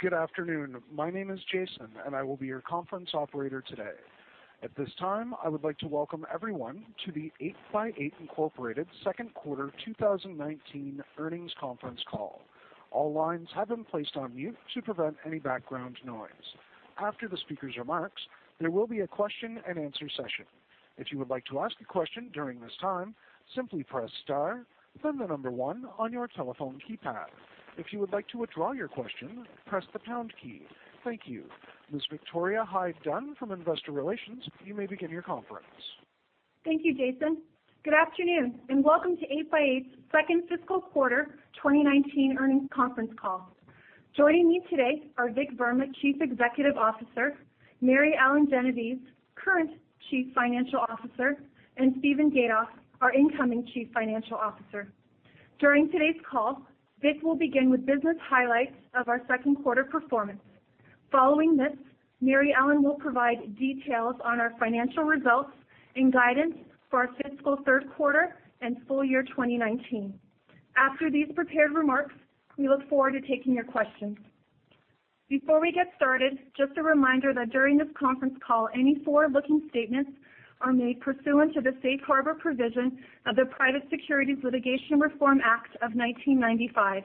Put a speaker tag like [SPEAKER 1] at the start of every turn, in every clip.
[SPEAKER 1] Good afternoon. My name is Jason, I will be your conference operator today. At this time, I would like to welcome everyone to the 8x8, Inc. second quarter 2019 earnings conference call. All lines have been placed on mute to prevent any background noise. After the speaker's remarks, there will be a question-and-answer session. If you would like to ask a question during this time, simply press star, then 1 on your telephone keypad. If you would like to withdraw your question, press the pound key. Thank you. Ms. Victoria Hyde-Dunn from Investor Relations, you may begin your conference.
[SPEAKER 2] Thank you, Jason. Good afternoon, welcome to 8x8's second fiscal quarter 2019 earnings conference call. Joining me today are Vik Verma, Chief Executive Officer, Mary Ellen DeNittis, current Chief Financial Officer, and Steven Gatoff, our incoming Chief Financial Officer. During today's call, Vik will begin with business highlights of our second quarter performance. Following this, Mary Ellen will provide details on our financial results and guidance for our fiscal third quarter and full year 2019. After these prepared remarks, we look forward to taking your questions. Before we get started, just a reminder that during this conference call, any forward-looking statements are made pursuant to the Safe Harbor provision of the Private Securities Litigation Reform Act of 1995.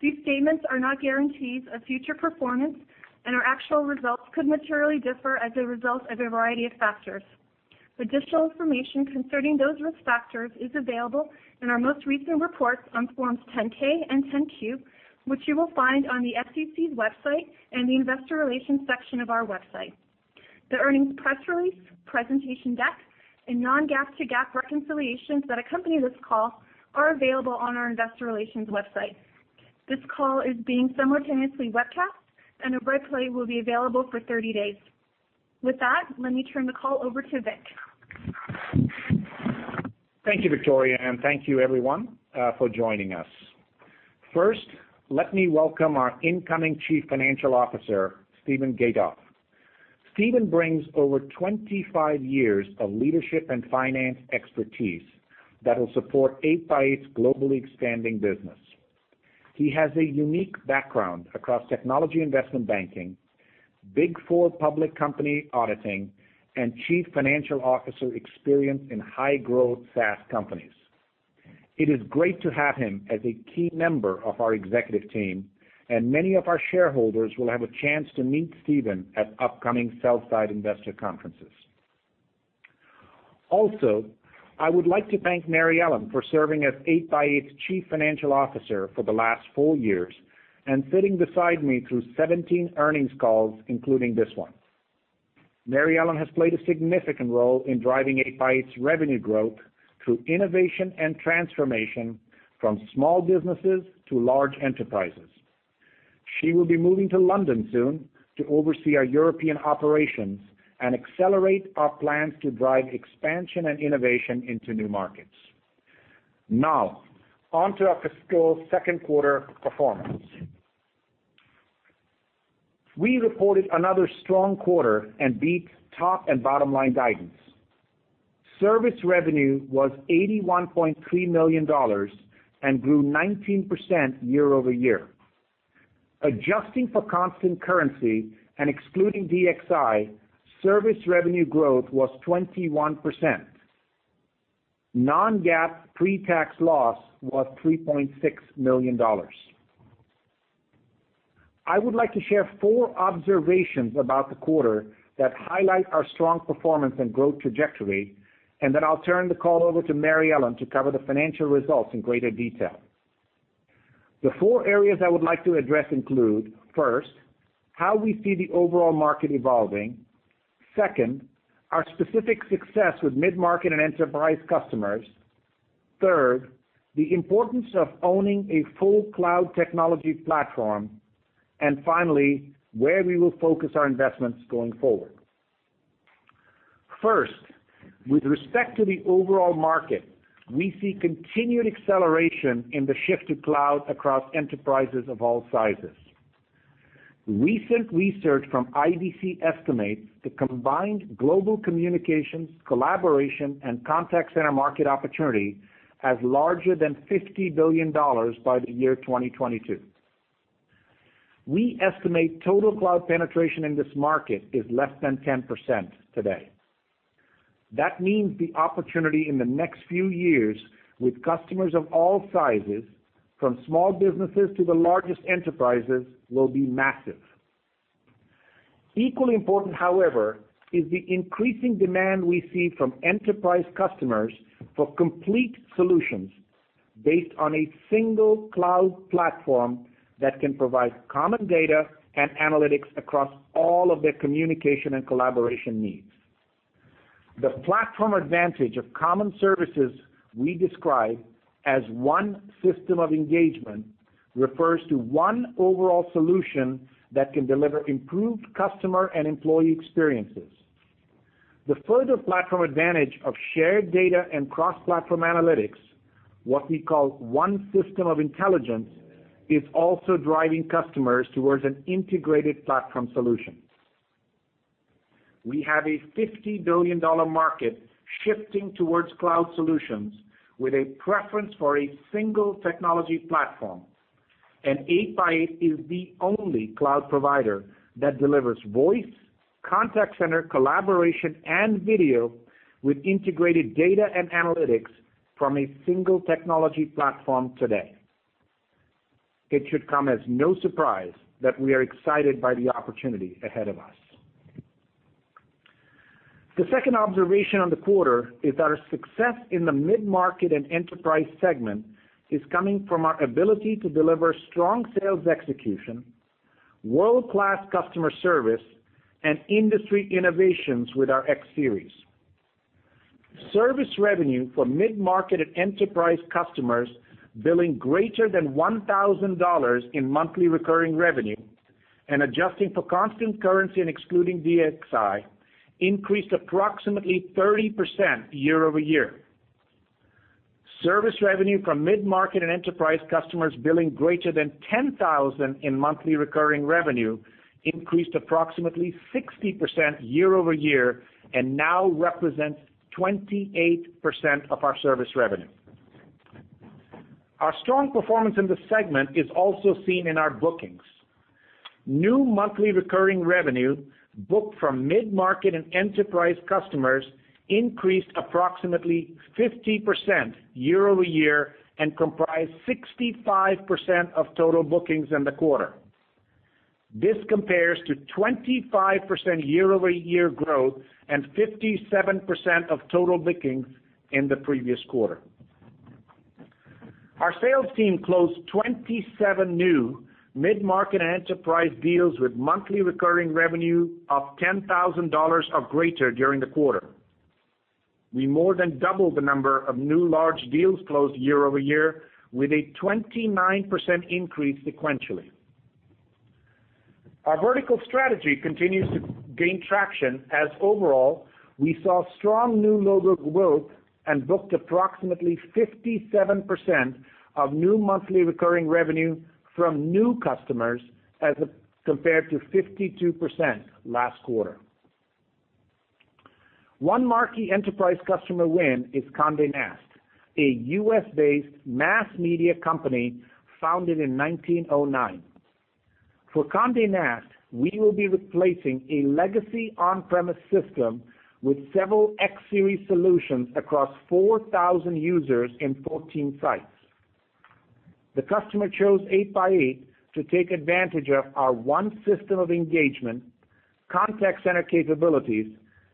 [SPEAKER 2] These statements are not guarantees of future performance and our actual results could materially differ as a result of a variety of factors. Additional information concerning those risk factors is available in our most recent reports on forms 10-K and 10-Q, which you will find on the SEC's website and the investor relations section of our website. The earnings press release, presentation deck, and non-GAAP to GAAP reconciliations that accompany this call are available on our investor relations website. This call is being simultaneously webcast, a replay will be available for 30 days. With that, let me turn the call over to Vik.
[SPEAKER 3] Thank you, Victoria, thank you everyone for joining us. First, let me welcome our incoming Chief Financial Officer, Steven Gatoff. Steven brings over 25 years of leadership and finance expertise that will support 8x8's globally expanding business. He has a unique background across technology investment banking, Big Four public company auditing, and Chief Financial Officer experience in high-growth SaaS companies. It is great to have him as a key member of our executive team, many of our shareholders will have a chance to meet Steven at upcoming sell-side investor conferences. I would like to thank Mary Ellen for serving as 8x8's Chief Financial Officer for the last four years and sitting beside me through 17 earnings calls, including this one. Mary Ellen has played a significant role in driving 8x8's revenue growth through innovation and transformation from small businesses to large enterprises. She will be moving to London soon to oversee our European operations and accelerate our plans to drive expansion and innovation into new markets. Now, onto our fiscal second quarter performance. We reported another strong quarter and beat top and bottom-line guidance. Service revenue was $81.3 million and grew 19% year-over-year. Adjusting for constant currency and excluding DXI, service revenue growth was 21%. Non-GAAP pre-tax loss was $3.6 million. I would like to share four observations about the quarter that highlight our strong performance and growth trajectory, and then I'll turn the call over to Mary Ellen to cover the financial results in greater detail. The four areas I would like to address include, first, how we see the overall market evolving. Second, our specific success with mid-market and enterprise customers. Third, the importance of owning a full cloud technology platform. Finally, where we will focus our investments going forward. First, with respect to the overall market, we see continued acceleration in the shift to cloud across enterprises of all sizes. Recent research from IDC estimates the combined global communications, collaboration, and contact center market opportunity as larger than $50 billion by the year 2022. We estimate total cloud penetration in this market is less than 10% today. That means the opportunity in the next few years with customers of all sizes, from small businesses to the largest enterprises, will be massive. Equally important, however, is the increasing demand we see from enterprise customers for complete solutions based on a single cloud platform that can provide common data and analytics across all of their communication and collaboration needs. The platform advantage of common services we describe as One System of Engagement refers to one overall solution that can deliver improved customer and employee experiences. The further platform advantage of shared data and cross-platform analytics, what we call One System of Intelligence, is also driving customers towards an integrated platform solution. We have a $50 billion market shifting towards cloud solutions with a preference for a single technology platform. 8x8 is the only cloud provider that delivers voice, contact center, collaboration, and video with integrated data and analytics from a single technology platform today. It should come as no surprise that we are excited by the opportunity ahead of us. The second observation on the quarter is that our success in the mid-market and enterprise segment is coming from our ability to deliver strong sales execution, world-class customer service, and industry innovations with our X Series. Service revenue for mid-market and enterprise customers billing greater than $1,000 in monthly recurring revenue, and adjusting for constant currency and excluding DXI, increased approximately 30% year-over-year. Service revenue from mid-market and enterprise customers billing greater than $10,000 in monthly recurring revenue increased approximately 60% year-over-year and now represents 28% of our service revenue. Our strong performance in this segment is also seen in our bookings. New monthly recurring revenue booked from mid-market and enterprise customers increased approximately 50% year-over-year and comprised 65% of total bookings in the quarter. This compares to 25% year-over-year growth and 57% of total bookings in the previous quarter. Our sales team closed 27 new mid-market enterprise deals with monthly recurring revenue of $10,000 or greater during the quarter. We more than doubled the number of new large deals closed year-over-year with a 29% increase sequentially. Our vertical strategy continues to gain traction as overall, we saw strong new logo growth and booked approximately 57% of new monthly recurring revenue from new customers as compared to 52% last quarter. One marquee enterprise customer win is Condé Nast, a U.S.-based mass media company founded in 1909. For Condé Nast, we will be replacing a legacy on-premise system with several X Series solutions across 4,000 users in 14 sites. The customer chose 8x8 to take advantage of our One System of Engagement, contact center capabilities,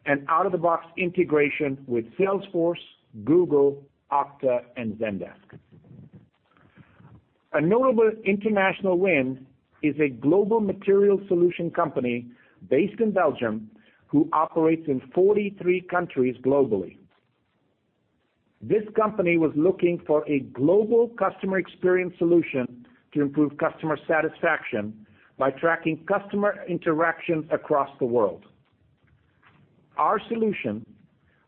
[SPEAKER 3] and out-of-the-box integration with Salesforce, Google, Okta, and Zendesk. A notable international win is a global material solution company based in Belgium who operates in 43 countries globally. This company was looking for a global customer experience solution to improve customer satisfaction by tracking customer interactions across the world. Our solution,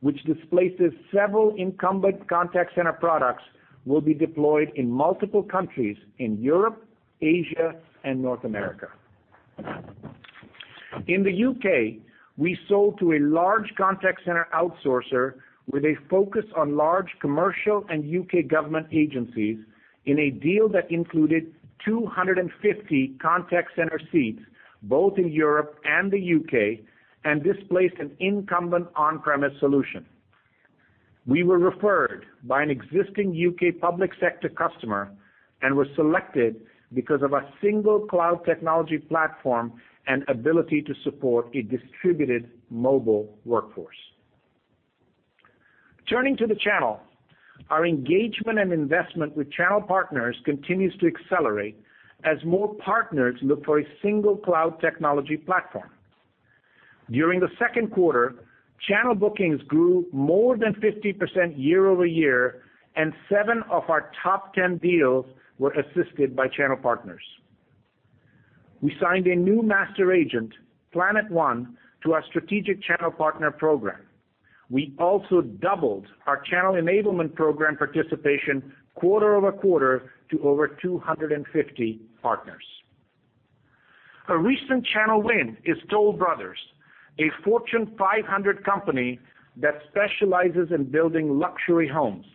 [SPEAKER 3] which displaces several incumbent contact center products, will be deployed in multiple countries in Europe, Asia, and North America. In the U.K., we sold to a large contact center outsourcer with a focus on large commercial and U.K. government agencies in a deal that included 250 contact center seats both in Europe and the U.K. and displaced an incumbent on-premise solution. We were referred by an existing U.K. public sector customer and were selected because of our single cloud technology platform and ability to support a distributed mobile workforce. Turning to the channel, our engagement and investment with channel partners continues to accelerate as more partners look for a single cloud technology platform. During the second quarter, channel bookings grew more than 50% year-over-year, and seven of our top 10 deals were assisted by channel partners. We signed a new master agent, PlanetOne, to our strategic channel partner program. We also doubled our channel enablement program participation quarter-over-quarter to over 250 partners. A recent channel win is Toll Brothers, a Fortune 500 company that specializes in building luxury homes.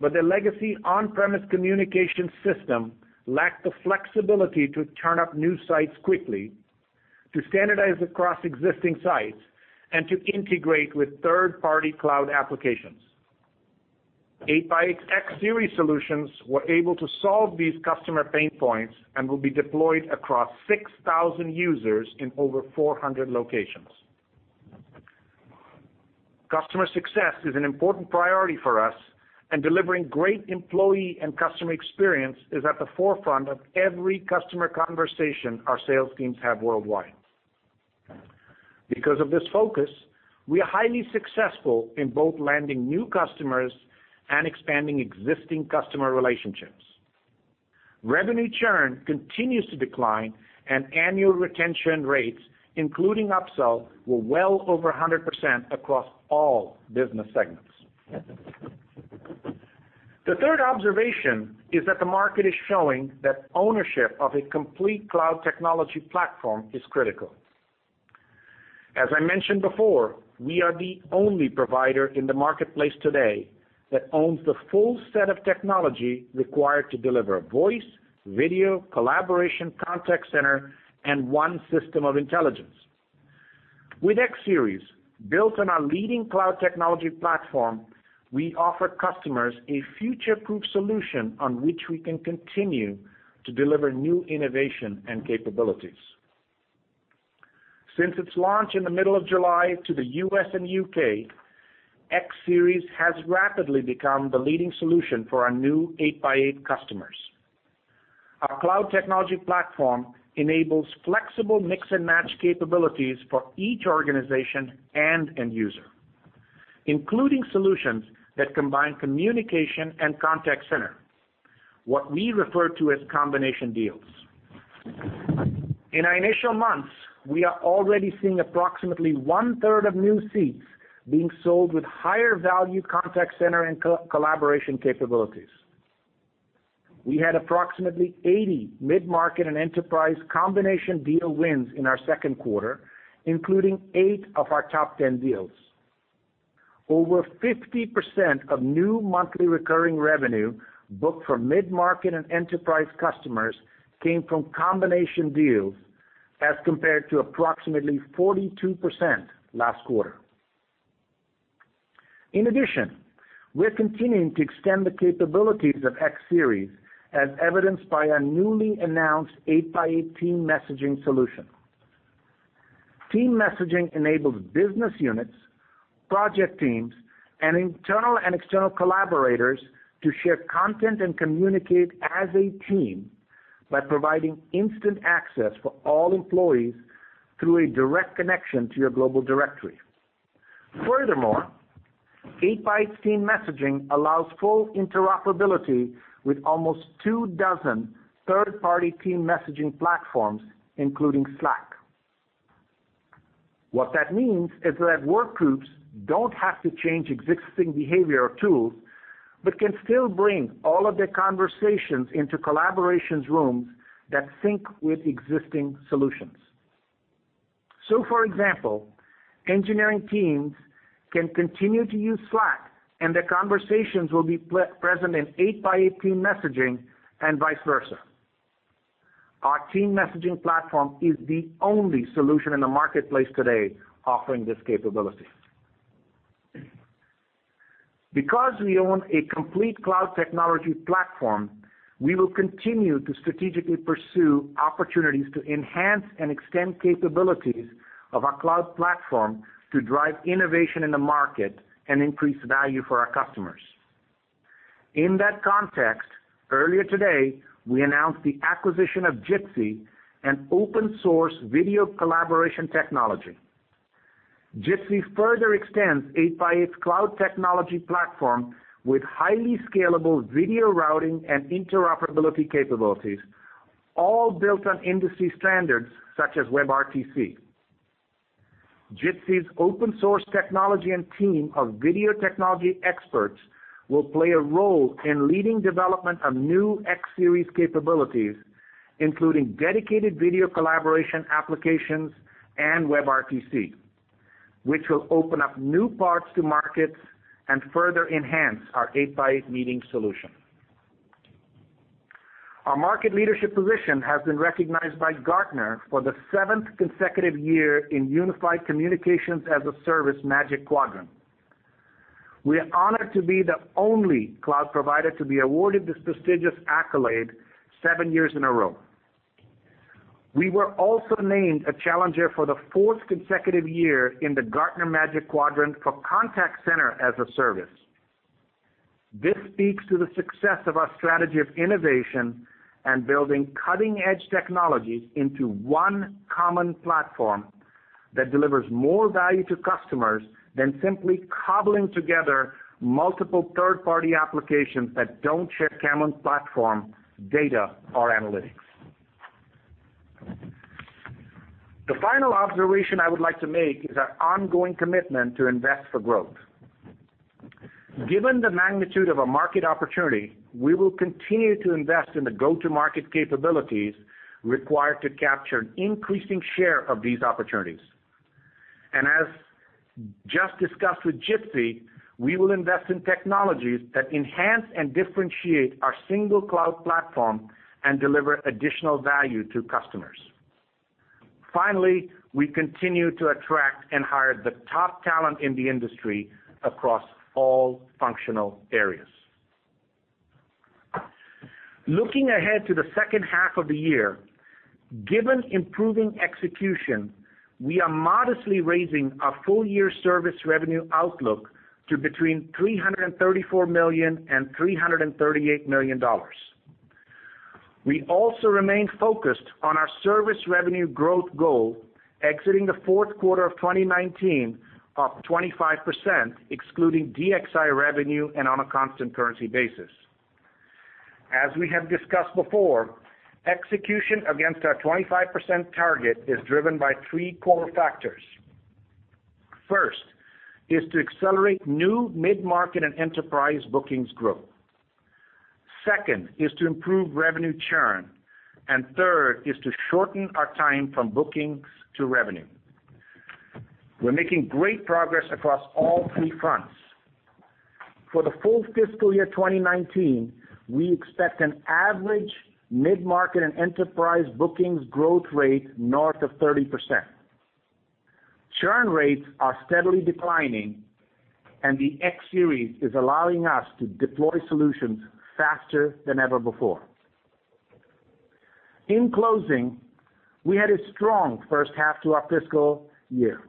[SPEAKER 3] Their legacy on-premise communication system lacked the flexibility to turn up new sites quickly, to standardize across existing sites, and to integrate with third-party cloud applications. 8x8's X Series solutions were able to solve these customer pain points and will be deployed across 6,000 users in over 400 locations. Customer success is an important priority for us, and delivering great employee and customer experience is at the forefront of every customer conversation our sales teams have worldwide. Because of this focus, we are highly successful in both landing new customers and expanding existing customer relationships. Revenue churn continues to decline, and annual retention rates, including upsell, were well over 100% across all business segments. The third observation is that the market is showing that ownership of a complete cloud technology platform is critical. As I mentioned before, we are the only provider in the marketplace today that owns the full set of technology required to deliver voice, video, collaboration, contact center, and One System of Intelligence. With X Series, built on our leading cloud technology platform, we offer customers a future-proof solution on which we can continue to deliver new innovation and capabilities. Since its launch in the middle of July to the U.S. and U.K., X Series has rapidly become the leading solution for our new 8x8 customers. Our cloud technology platform enables flexible mix-and-match capabilities for each organization and end user, including solutions that combine communication and contact center, what we refer to as combination deals. In our initial months, we are already seeing approximately one-third of new seats being sold with higher value contact center and collaboration capabilities. We had approximately 80 mid-market and enterprise combination deal wins in our second quarter, including eight of our top 10 deals. Over 50% of new monthly recurring revenue booked from mid-market and enterprise customers came from combination deals, as compared to approximately 42% last quarter. In addition, we're continuing to extend the capabilities of X Series, as evidenced by our newly announced 8x8 Team Messaging solution. Team messaging enables business units, project teams, and internal and external collaborators to share content and communicate as a team by providing instant access for all employees through a direct connection to your global directory. Furthermore, 8x8 Team Messaging allows full interoperability with almost two dozen third-party team messaging platforms, including Slack. What that means is that work groups don't have to change existing behavior or tools, but can still bring all of their conversations into collaborations rooms that sync with existing solutions. For example, engineering teams can continue to use Slack, and their conversations will be present in 8x8 Team Messaging and vice versa. Our team messaging platform is the only solution in the marketplace today offering this capability. Because we own a complete cloud technology platform, we will continue to strategically pursue opportunities to enhance and extend capabilities of our cloud platform to drive innovation in the market and increase value for our customers. In that context, earlier today, we announced the acquisition of Jitsi, an open-source video collaboration technology. Jitsi further extends 8x8's cloud technology platform with highly scalable video routing and interoperability capabilities, all built on industry standards such as WebRTC. Jitsi's open-source technology and team of video technology experts will play a role in leading development of new X Series capabilities, including dedicated video collaboration applications and WebRTC, which will open up new parts to markets and further enhance our 8x8 meeting solution. Our market leadership position has been recognized by Gartner for the seventh consecutive year in Unified Communications as a Service Magic Quadrant. We are honored to be the only cloud provider to be awarded this prestigious accolade seven years in a row. We were also named a challenger for the fourth consecutive year in the Gartner Magic Quadrant for Contact Center as a Service. This speaks to the success of our strategy of innovation and building cutting-edge technologies into one common platform that delivers more value to customers than simply cobbling together multiple third-party applications that don't share a common platform, data, or analytics. The final observation I would like to make is our ongoing commitment to invest for growth. Given the magnitude of our market opportunity, we will continue to invest in the go-to-market capabilities required to capture an increasing share of these opportunities. As just discussed with Jitsi, we will invest in technologies that enhance and differentiate our single cloud platform and deliver additional value to customers. Finally, we continue to attract and hire the top talent in the industry across all functional areas. Looking ahead to the second half of the year, given improving execution, we are modestly raising our full-year service revenue outlook to between $334 million and $338 million. We also remain focused on our service revenue growth goal, exiting the fourth quarter of 2019 up 25%, excluding DXI revenue and on a constant currency basis. As we have discussed before, execution against our 25% target is driven by three core factors. First is to accelerate new mid-market and enterprise bookings growth. Second is to improve revenue churn, and third is to shorten our time from bookings to revenue. We're making great progress across all three fronts. For the full fiscal year 2019, we expect an average mid-market and enterprise bookings growth rate north of 30%. Churn rates are steadily declining, the X Series is allowing us to deploy solutions faster than ever before. In closing, we had a strong first half to our fiscal year.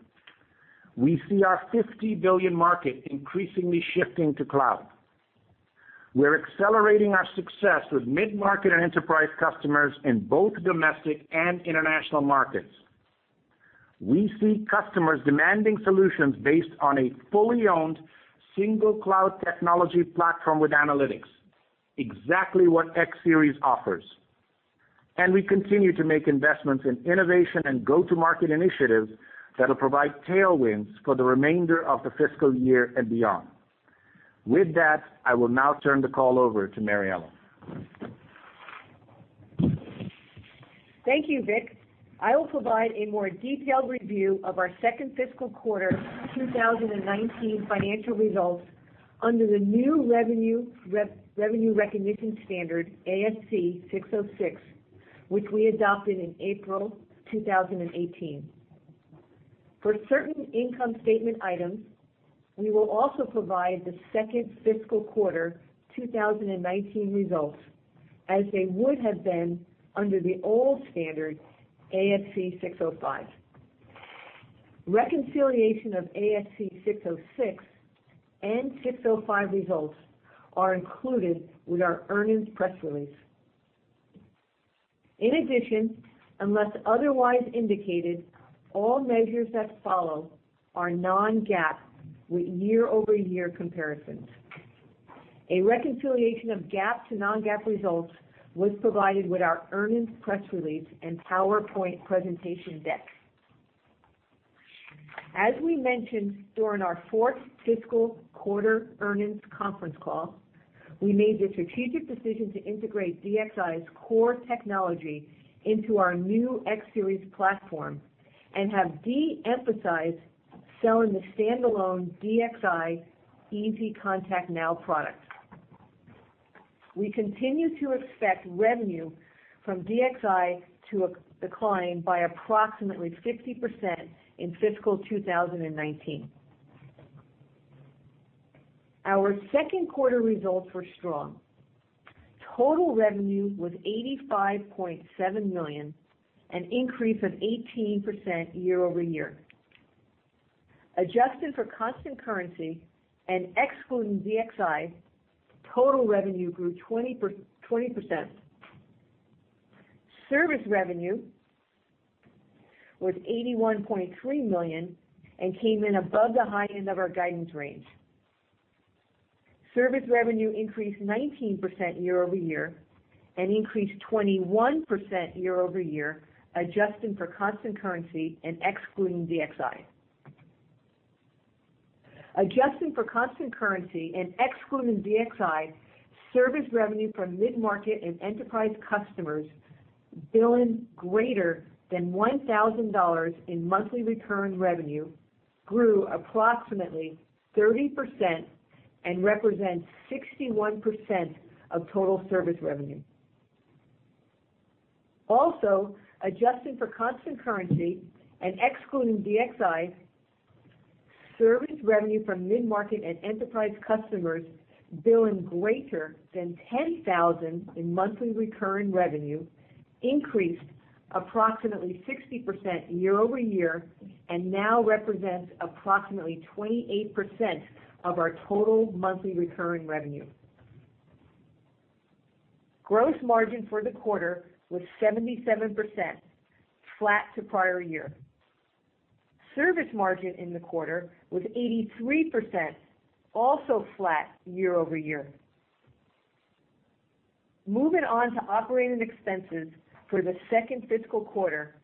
[SPEAKER 3] We see our $50 billion market increasingly shifting to cloud. We're accelerating our success with mid-market and enterprise customers in both domestic and international markets. We see customers demanding solutions based on a fully owned single cloud technology platform with analytics, exactly what X Series offers. We continue to make investments in innovation and go-to-market initiatives that will provide tailwinds for the remainder of the fiscal year and beyond. With that, I will now turn the call over to Mary Ellen.
[SPEAKER 4] Thank you, Vik. I will provide a more detailed review of our second fiscal quarter 2019 financial results under the new revenue recognition standard, ASC 606, which we adopted in April 2018. For certain income statement items, we will also provide the second fiscal quarter 2019 results as they would have been under the old standard, ASC 605. Reconciliation of ASC 606 and 605 results are included with our earnings press release. In addition, unless otherwise indicated, all measures that follow are non-GAAP with year-over-year comparisons. A reconciliation of GAAP to non-GAAP results was provided with our earnings press release and PowerPoint presentation deck. As we mentioned during our fourth fiscal quarter earnings conference call, we made the strategic decision to integrate DXI's core technology into our new X Series platform and have de-emphasized selling the standalone DXI ContactNow product. We continue to expect revenue from DXI to decline by approximately 50% in fiscal 2019. Our second quarter results were strong. Total revenue was $85.7 million, an increase of 18% year-over-year. Adjusted for constant currency and excluding DXI, total revenue grew 20%. Service revenue was $81.3 million and came in above the high end of our guidance range. Service revenue increased 19% year-over-year and increased 21% year-over-year, adjusting for constant currency and excluding DXI. Adjusting for constant currency and excluding DXI, service revenue from mid-market and enterprise customers billing greater than $1,000 in monthly recurring revenue grew approximately 30% and represents 61% of total service revenue. Also, adjusting for constant currency and excluding DXI, service revenue from mid-market and enterprise customers billing greater than $10,000 in monthly recurring revenue increased approximately 60% year-over-year and now represents approximately 28% of our total monthly recurring revenue. Gross margin for the quarter was 77%, flat to prior year. Service margin in the quarter was 83%, also flat year-over-year. Moving on to operating expenses for the second fiscal quarter,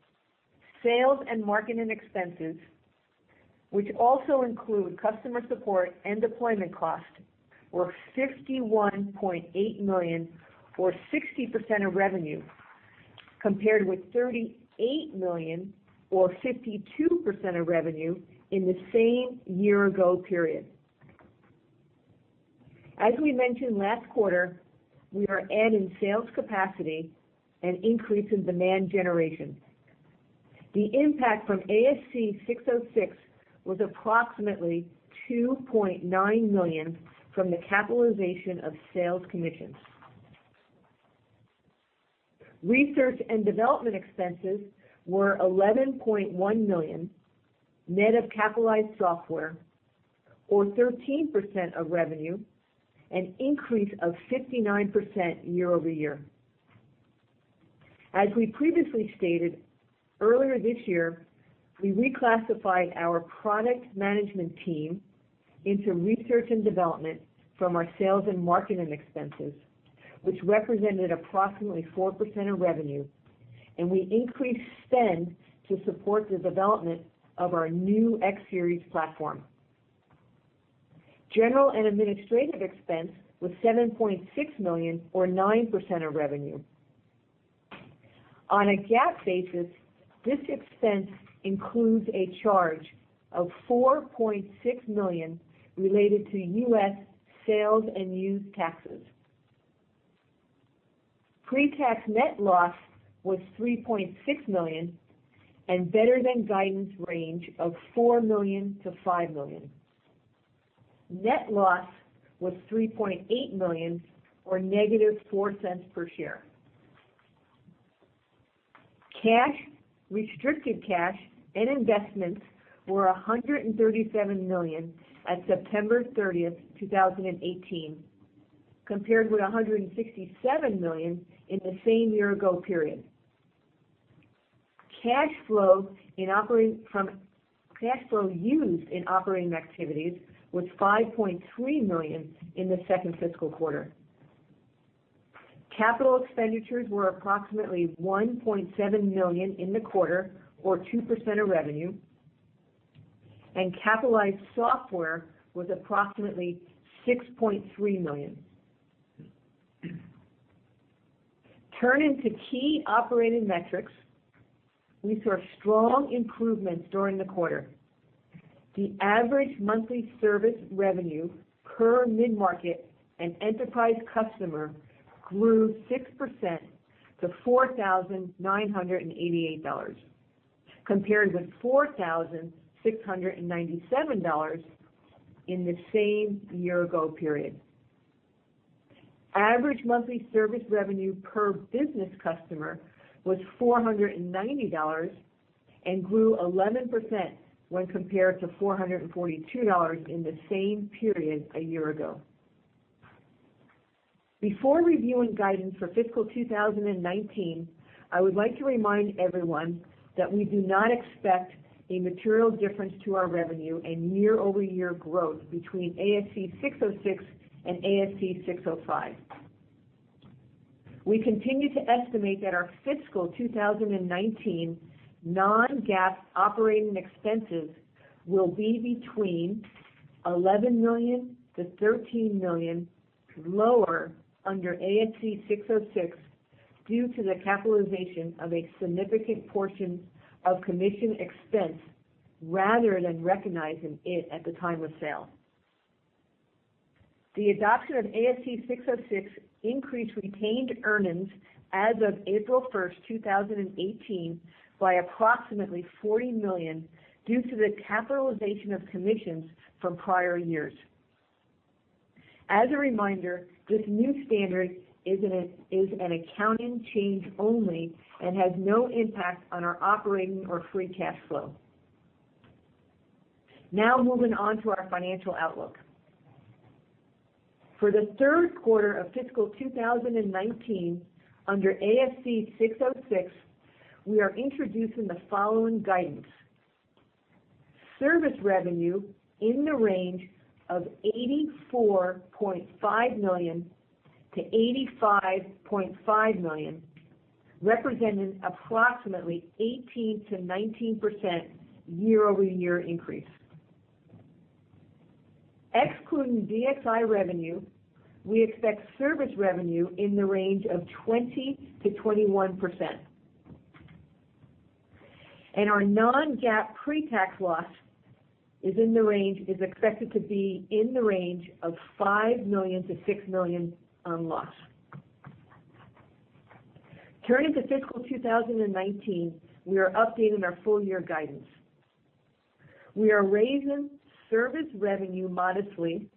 [SPEAKER 4] sales and marketing expenses, which also include customer support and deployment costs, were $51.8 million or 60% of revenue, compared with $38 million or 52% of revenue in the same year-ago period. As we mentioned last quarter, we are adding sales capacity and increasing demand generation. The impact from ASC 606 was approximately $2.9 million from the capitalization of sales commissions. Research and development expenses were $11.1 million, net of capitalized software or 13% of revenue, an increase of 59% year-over-year. We previously stated, earlier this year, we reclassified our product management team into research and development from our sales and marketing expenses, which represented approximately 4% of revenue. We increased spend to support the development of our new X Series platform. General and administrative expense was $7.6 million, or 9% of revenue. On a GAAP basis, this expense includes a charge of $4.6 million related to U.S. sales and use taxes. Pre-tax net loss was $3.6 million and better than guidance range of $4 million-$5 million. Net loss was $3.8 million or negative $0.04 per share. Cash, restricted cash, and investments were $137 million at September 30th, 2018, compared with $167 million in the same year ago period. Cash flow used in operating activities was $5.3 million in the second fiscal quarter. Capital expenditures were approximately $1.7 million in the quarter, or 2% of revenue, and capitalized software was approximately $6.3 million. Turning to key operating metrics, we saw strong improvements during the quarter. The average monthly service revenue per mid-market and enterprise customer grew 6% to $4,988, compared with $4,697 in the same year ago period. Average monthly service revenue per business customer was $490 and grew 11% when compared to $442 in the same period a year ago. Before reviewing guidance for fiscal 2019, I would like to remind everyone that we do not expect a material difference to our revenue and year-over-year growth between ASC 606 and ASC 605. We continue to estimate that our fiscal 2019 non-GAAP operating expenses will be between $11 million-$13 million lower under ASC 606 due to the capitalization of a significant portion of commission expense, rather than recognizing it at the time of sale. The adoption of ASC 606 increased retained earnings as of April 1st, 2018, by approximately $40 million due to the capitalization of commissions from prior years. As a reminder, this new standard is an accounting change only and has no impact on our operating or free cash flow. Moving on to our financial outlook. For the third quarter of fiscal 2019 under ASC 606, we are introducing the following guidance. Service revenue in the range of $84.5 million-$85.5 million, representing approximately 18%-19% year-over-year increase. Excluding DXI revenue, we expect service revenue in the range of 20%-21%. Our non-GAAP pre-tax loss is expected to be in the range of $5 million-$6 million. Turning to fiscal 2019, we are updating our full year guidance. We are raising service revenue modestly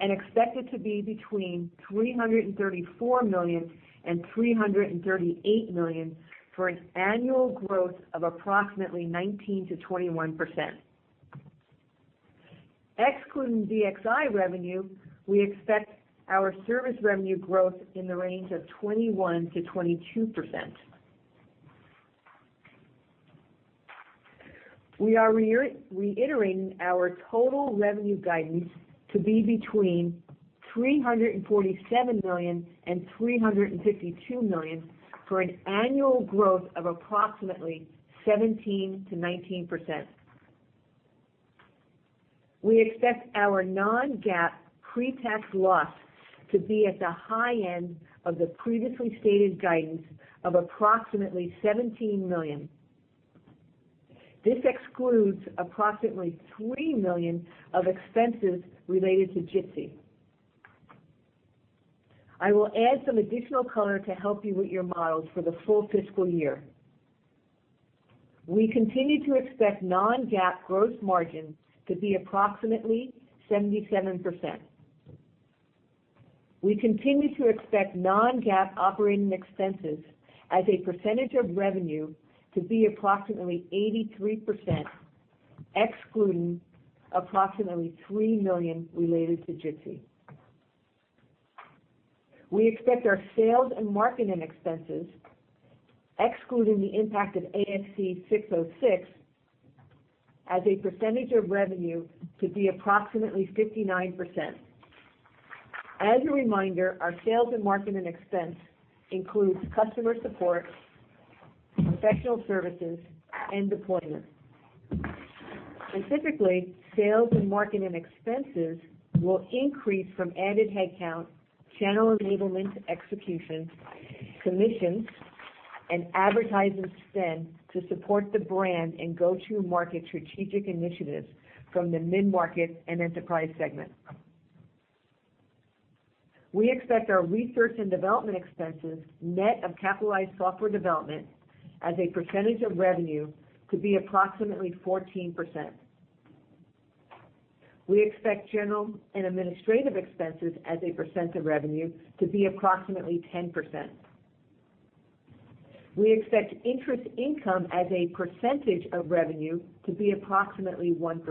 [SPEAKER 4] and expect it to be between $334 million and $338 million for an annual growth of approximately 19%-21%. Excluding DXI revenue, we expect our service revenue growth in the range of 21%-22%. We are reiterating our total revenue guidance to be between $347 million and $352 million for an annual growth of approximately 17%-19%. We expect our non-GAAP pre-tax loss to be at the high end of the previously stated guidance of approximately $17 million. This excludes approximately $3 million of expenses related to Jitsi. I will add some additional color to help you with your models for the full fiscal year. We continue to expect non-GAAP gross margin to be approximately 77%. We continue to expect non-GAAP operating expenses as a percentage of revenue to be approximately 83%, excluding approximately $3 million related to Jitsi. We expect our sales and marketing expenses, excluding the impact of ASC 606, as a percentage of revenue, to be approximately 59%. As a reminder, our sales and marketing expense includes customer support, professional services, and deployment. Specifically, sales and marketing expenses will increase from added headcount, channel enablement execution, commissions, and advertising spend to support the brand and go-to-market strategic initiatives from the mid-market and enterprise segment. We expect our research and development expenses, net of capitalized software development, as a percentage of revenue to be approximately 14%. We expect general and administrative expenses as a percent of revenue to be approximately 10%. We expect interest income as a percentage of revenue to be approximately 1%.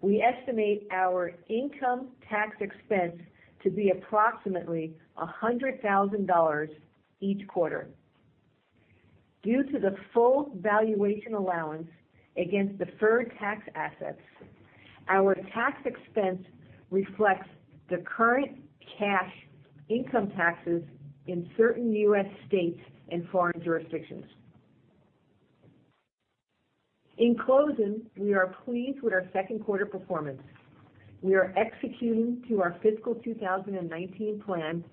[SPEAKER 4] We estimate our income tax expense to be approximately $100,000 each quarter. Due to the full valuation allowance against deferred tax assets, our tax expense reflects the current cash income taxes in certain U.S. states and foreign jurisdictions. In closing, we are pleased with our second quarter performance. We are executing to our fiscal 2019 plan,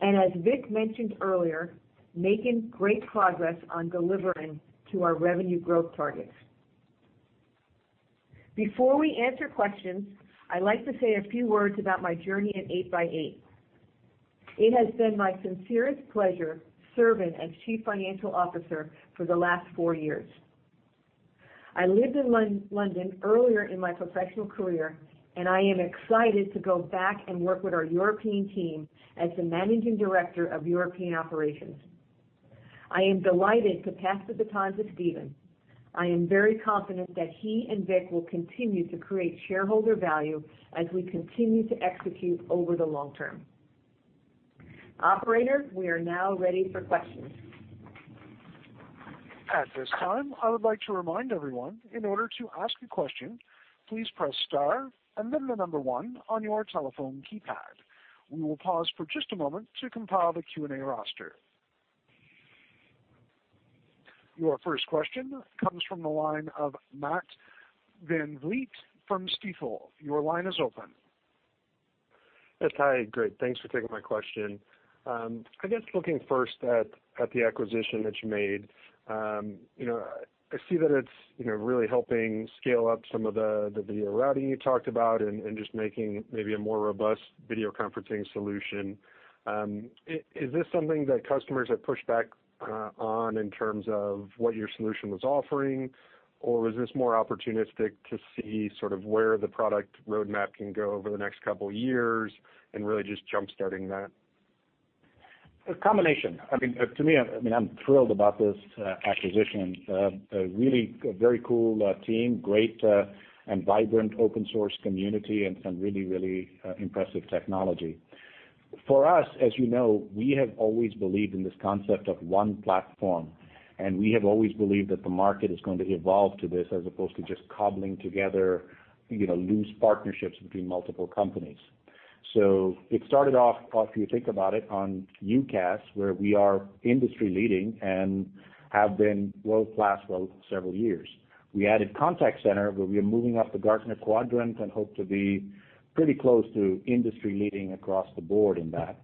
[SPEAKER 4] and as Vik mentioned earlier, making great progress on delivering to our revenue growth targets. Before we answer questions, I'd like to say a few words about my journey at 8x8. It has been my sincerest pleasure serving as Chief Financial Officer for the last four years. I lived in London earlier in my professional career, and I am excited to go back and work with our European team as the Managing Director of European operations. I am delighted to pass the baton to Steven. I am very confident that he and Vik will continue to create shareholder value as we continue to execute over the long term. Operator, we are now ready for questions.
[SPEAKER 1] At this time, I would like to remind everyone, in order to ask a question, please press star and then the number 1 on your telephone keypad. We will pause for just a moment to compile the Q&A roster. Your first question comes from the line of Matt VanVliet from Stifel. Your line is open.
[SPEAKER 5] Yes, hi. Great. Thanks for taking my question. I guess looking first at the acquisition that you made. I see that it's really helping scale up some of the video routing you talked about and just making maybe a more robust video conferencing solution. Is this something that customers have pushed back on in terms of what your solution was offering, or was this more opportunistic to see sort of where the product roadmap can go over the next couple of years and really just jumpstarting that?
[SPEAKER 3] A combination. To me, I'm thrilled about this acquisition. A really very cool team, great and vibrant open-source community, and some really impressive technology. For us, as you know, we have always believed in this concept of one platform, and we have always believed that the market is going to evolve to this, as opposed to just cobbling together loose partnerships between multiple companies. It started off, if you think about it, on UCaaS, where we are industry-leading and have been world-class for several years. We added contact center, where we are moving up the Gartner quadrant and hope to be pretty close to industry-leading across the board in that.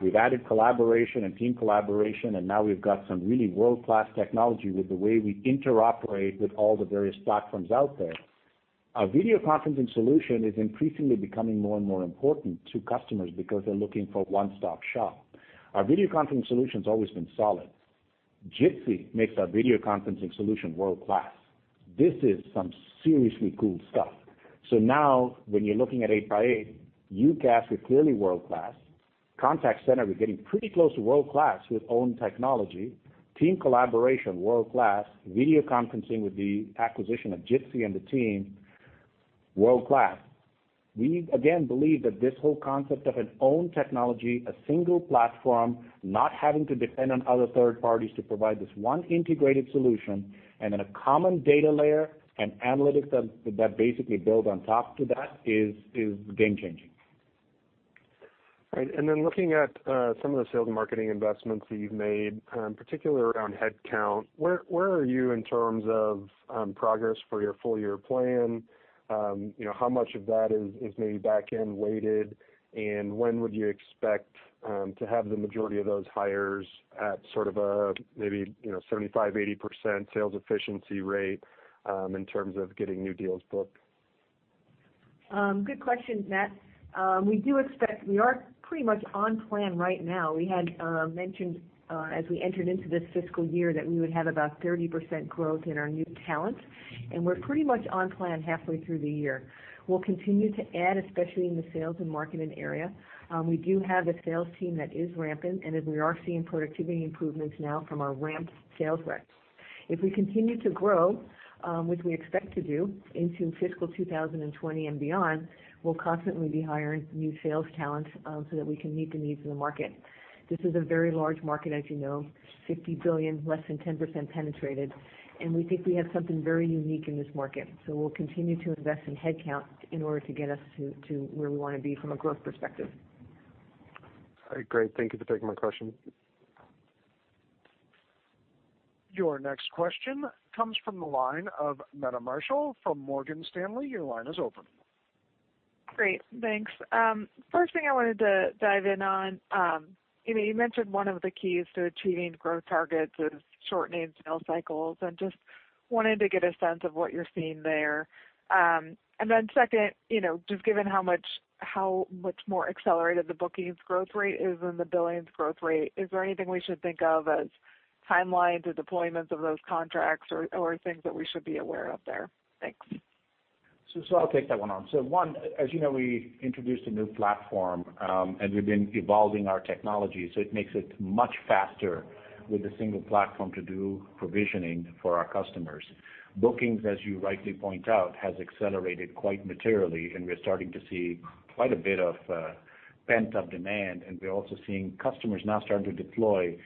[SPEAKER 3] We've added collaboration and team collaboration, and now we've got some really world-class technology with the way we interoperate with all the various platforms out there. Our video conferencing solution is increasingly becoming more and more important to customers because they're looking for a one-stop shop. Our video conferencing solution's always been solid. Jitsi makes our video conferencing solution world-class. This is some seriously cool stuff. Now when you're looking at 8x8, UCaaS is clearly world-class. Contact center, we're getting pretty close to world-class with own technology. Team collaboration, world-class. Video conferencing with the acquisition of Jitsi and the team, world-class. We, again, believe that this whole concept of an own technology, a single platform, not having to depend on other third parties to provide this one integrated solution, and then a common data layer and analytics that basically build on top to that is game-changing.
[SPEAKER 5] Looking at some of the sales and marketing investments that you've made, particularly around headcount, where are you in terms of progress for your full-year plan? How much of that is maybe back-end weighted, and when would you expect to have the majority of those hires at sort of a maybe 75%-80% sales efficiency rate in terms of getting new deals booked?
[SPEAKER 4] Good question, Matt. We are pretty much on plan right now. We had mentioned as we entered into this fiscal year that we would have about 30% growth in our new talent, and we're pretty much on plan halfway through the year. We'll continue to add, especially in the sales and marketing area. We do have a sales team that is ramping, and we are seeing productivity improvements now from our ramped sales reps. If we continue to grow, which we expect to do into fiscal 2020 and beyond, we'll constantly be hiring new sales talent so that we can meet the needs of the market. This is a very large market as you know, $50 billion, less than 10% penetrated, and we think we have something very unique in this market. We'll continue to invest in headcount in order to get us to where we want to be from a growth perspective.
[SPEAKER 5] All right, great. Thank you for taking my question.
[SPEAKER 1] Your next question comes from the line of Meta Marshall from Morgan Stanley. Your line is open.
[SPEAKER 6] Great, thanks. First thing I wanted to dive in on, you mentioned one of the keys to achieving growth targets is shortening sales cycles, just wanted to get a sense of what you're seeing there. Then second, just given how much more accelerated the bookings growth rate is than the billings growth rate, is there anything we should think of as timelines or deployments of those contracts or things that we should be aware of there? Thanks.
[SPEAKER 3] I'll take that one on. One, as you know, we introduced a new platform, and we've been evolving our technology, so it makes it much faster with a single platform to do provisioning for our customers. Bookings, as you rightly point out, has accelerated quite materially, and we're starting to see quite a bit of pent-up demand, and we're also seeing customers now starting to deploy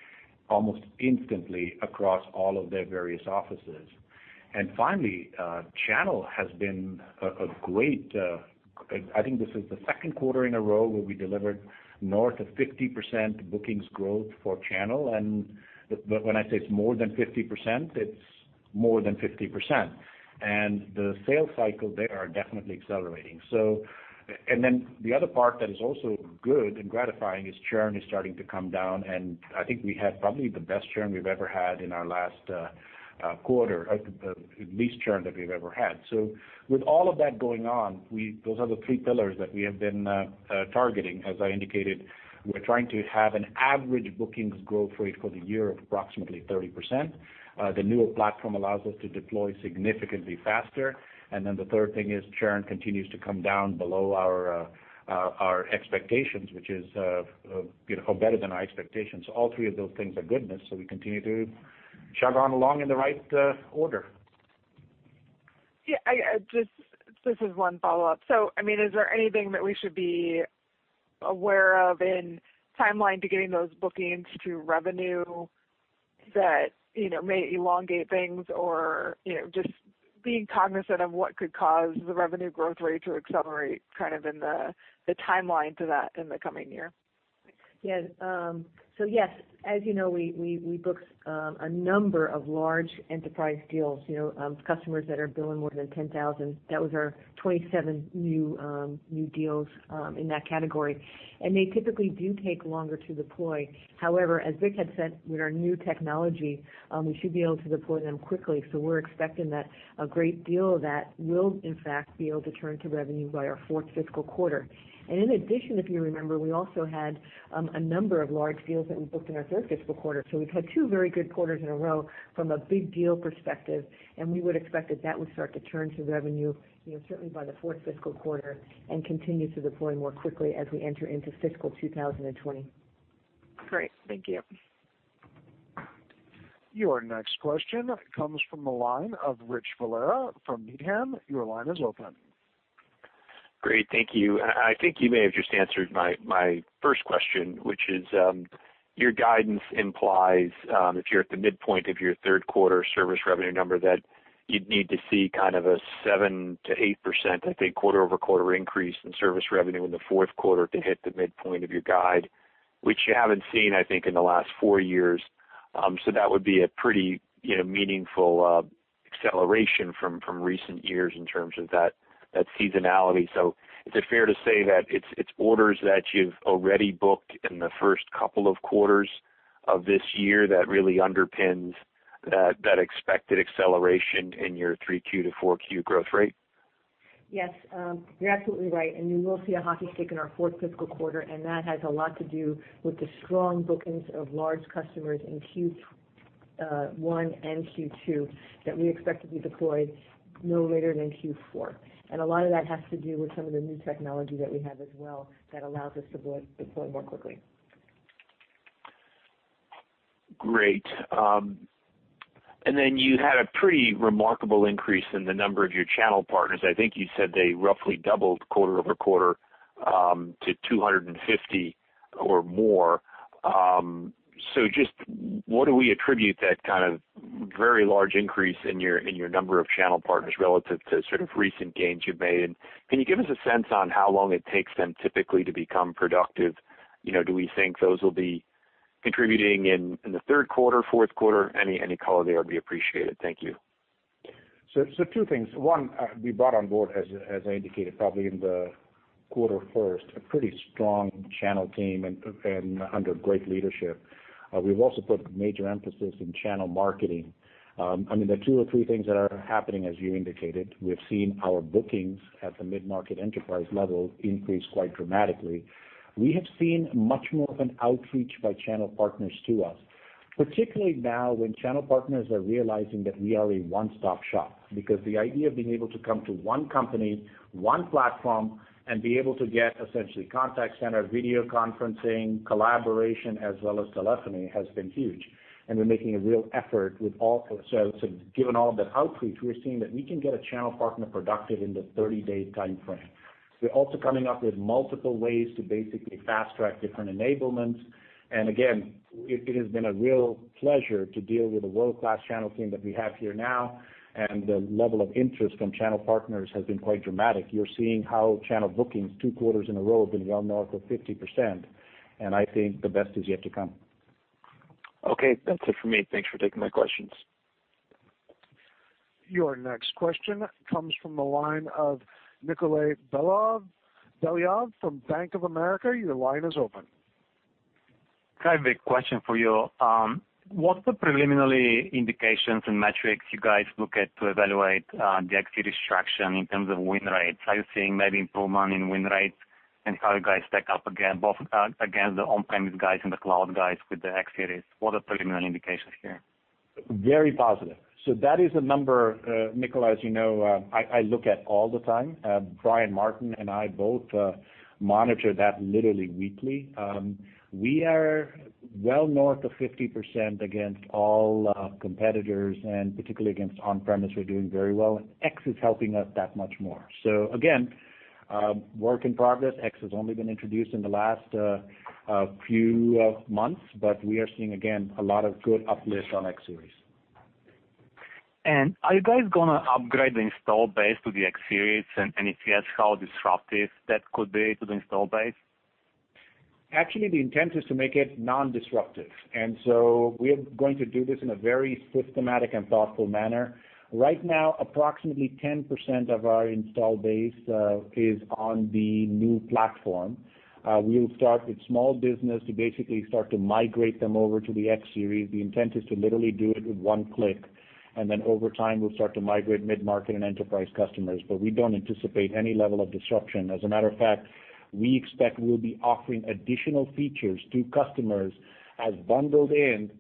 [SPEAKER 3] almost instantly across all of their various offices. Finally, channel has been a great-- I think this is the second quarter in a row where we delivered north of 50% bookings growth for channel. When I say it's more than 50%, it's more than 50%. The sales cycles there are definitely accelerating. Then the other part that is also good and gratifying is churn is starting to come down, and I think we had probably the best churn we've ever had in our last quarter, the least churn that we've ever had. With all of that going on, those are the three pillars that we have been targeting. As I indicated, we're trying to have an average bookings growth rate for the year of approximately 30%. The newer platform allows us to deploy significantly faster. Then the third thing is churn continues to come down below our expectations, which is better than our expectations. All three of those things are goodness. We continue to chug on along in the right order.
[SPEAKER 6] Yeah. Just this is one follow-up. Is there anything that we should be aware of in timeline to getting those bookings to revenue that may elongate things or, just being cognizant of what could cause the revenue growth rate to accelerate kind of in the timeline to that in the coming year?
[SPEAKER 4] Yes. Yes, as you know, we booked a number of large enterprise deals, customers that are billing more than $10,000. That was our 27 new deals in that category. They typically do take longer to deploy. However, as Vik had said, with our new technology, we should be able to deploy them quickly. We're expecting that a great deal of that will in fact, be able to turn to revenue by our fourth fiscal quarter. In addition, if you remember, we also had a number of large deals that we booked in our third fiscal quarter. We've had two very good quarters in a row from a big deal perspective, and we would expect that that would start to turn to revenue certainly by the fourth fiscal quarter and continue to deploy more quickly as we enter into fiscal 2020.
[SPEAKER 6] Great. Thank you.
[SPEAKER 1] Your next question comes from the line of Rich Valera from Needham. Your line is open.
[SPEAKER 7] Great. Thank you. I think you may have just answered my first question, which is, your guidance implies, if you're at the midpoint of your third quarter service revenue number, that you'd need to see kind of a 7%-8%, I think, quarter-over-quarter increase in service revenue in the fourth quarter to hit the midpoint of your guide, which you haven't seen, I think, in the last four years. That would be a pretty meaningful acceleration from recent years in terms of that seasonality. Is it fair to say that it's orders that you've already booked in the first couple of quarters of this year that really underpins that expected acceleration in your 3Q to 4Q growth rate?
[SPEAKER 4] Yes. You're absolutely right. You will see a hockey stick in our fourth fiscal quarter, and that has a lot to do with the strong bookings of large customers in Q1 and Q2 that we expect to be deployed no later than Q4. A lot of that has to do with some of the new technology that we have as well that allows us to deploy more quickly.
[SPEAKER 7] Great. You had a pretty remarkable increase in the number of your channel partners. I think you said they roughly doubled quarter-over-quarter, to 250 or more. Just what do we attribute that kind of very large increase in your number of channel partners relative to sort of recent gains you've made? Can you give us a sense on how long it takes them typically to become productive? Do we think those will be contributing in the third quarter, fourth quarter? Any color there would be appreciated. Thank you.
[SPEAKER 3] Two things. One, we brought on board, as I indicated, probably in the quarter first, a pretty strong channel team and under great leadership. We've also put major emphasis in channel marketing. There are two or three things that are happening, as you indicated. We've seen our bookings at the mid-market enterprise level increase quite dramatically. We have seen much more of an outreach by channel partners to us, particularly now when channel partners are realizing that we are a one-stop shop. The idea of being able to come to one company, one platform, and be able to get essentially contact center, video conferencing, collaboration, as well as telephony, has been huge. We're making a real effort with all. Given all of that outreach, we're seeing that we can get a channel partner productive in the 30-day timeframe. We're also coming up with multiple ways to basically fast-track different enablements. Again, it has been a real pleasure to deal with the world-class channel team that we have here now, and the level of interest from channel partners has been quite dramatic. You're seeing how channel bookings two quarters in a row have been well north of 50%, and I think the best is yet to come.
[SPEAKER 7] Okay. That's it for me. Thanks for taking my questions.
[SPEAKER 1] Your next question comes from the line of Nikolay Beliov from Bank of America. Your line is open.
[SPEAKER 8] Hi, Vik, question for you. What's the preliminary indications and metrics you guys look at to evaluate the X Series traction in terms of win rates? Are you seeing maybe improvement in win rates? How you guys stack up, again, both against the on-premise guys and the cloud guys with the X Series. What are the preliminary indications here?
[SPEAKER 3] Very positive. That is a number, Nikolay, as you know, I look at all the time. Bryan Martin and I both monitor that literally weekly. We are well north of 50% against all competitors, and particularly against on-premise, we're doing very well, and X is helping us that much more. Again, work in progress. X has only been introduced in the last few months, but we are seeing, again, a lot of good uplifts on X Series.
[SPEAKER 8] Are you guys going to upgrade the install base to the X Series? If yes, how disruptive that could be to the install base?
[SPEAKER 3] Actually, the intent is to make it non-disruptive. We are going to do this in a very systematic and thoughtful manner. Right now, approximately 10% of our install base is on the new platform. We'll start with small business to basically start to migrate them over to the X Series. The intent is to literally do it with one click, over time, we'll start to migrate mid-market and enterprise customers. We don't anticipate any level of disruption. As a matter of fact, we expect we'll be offering additional features to customers as bundled in,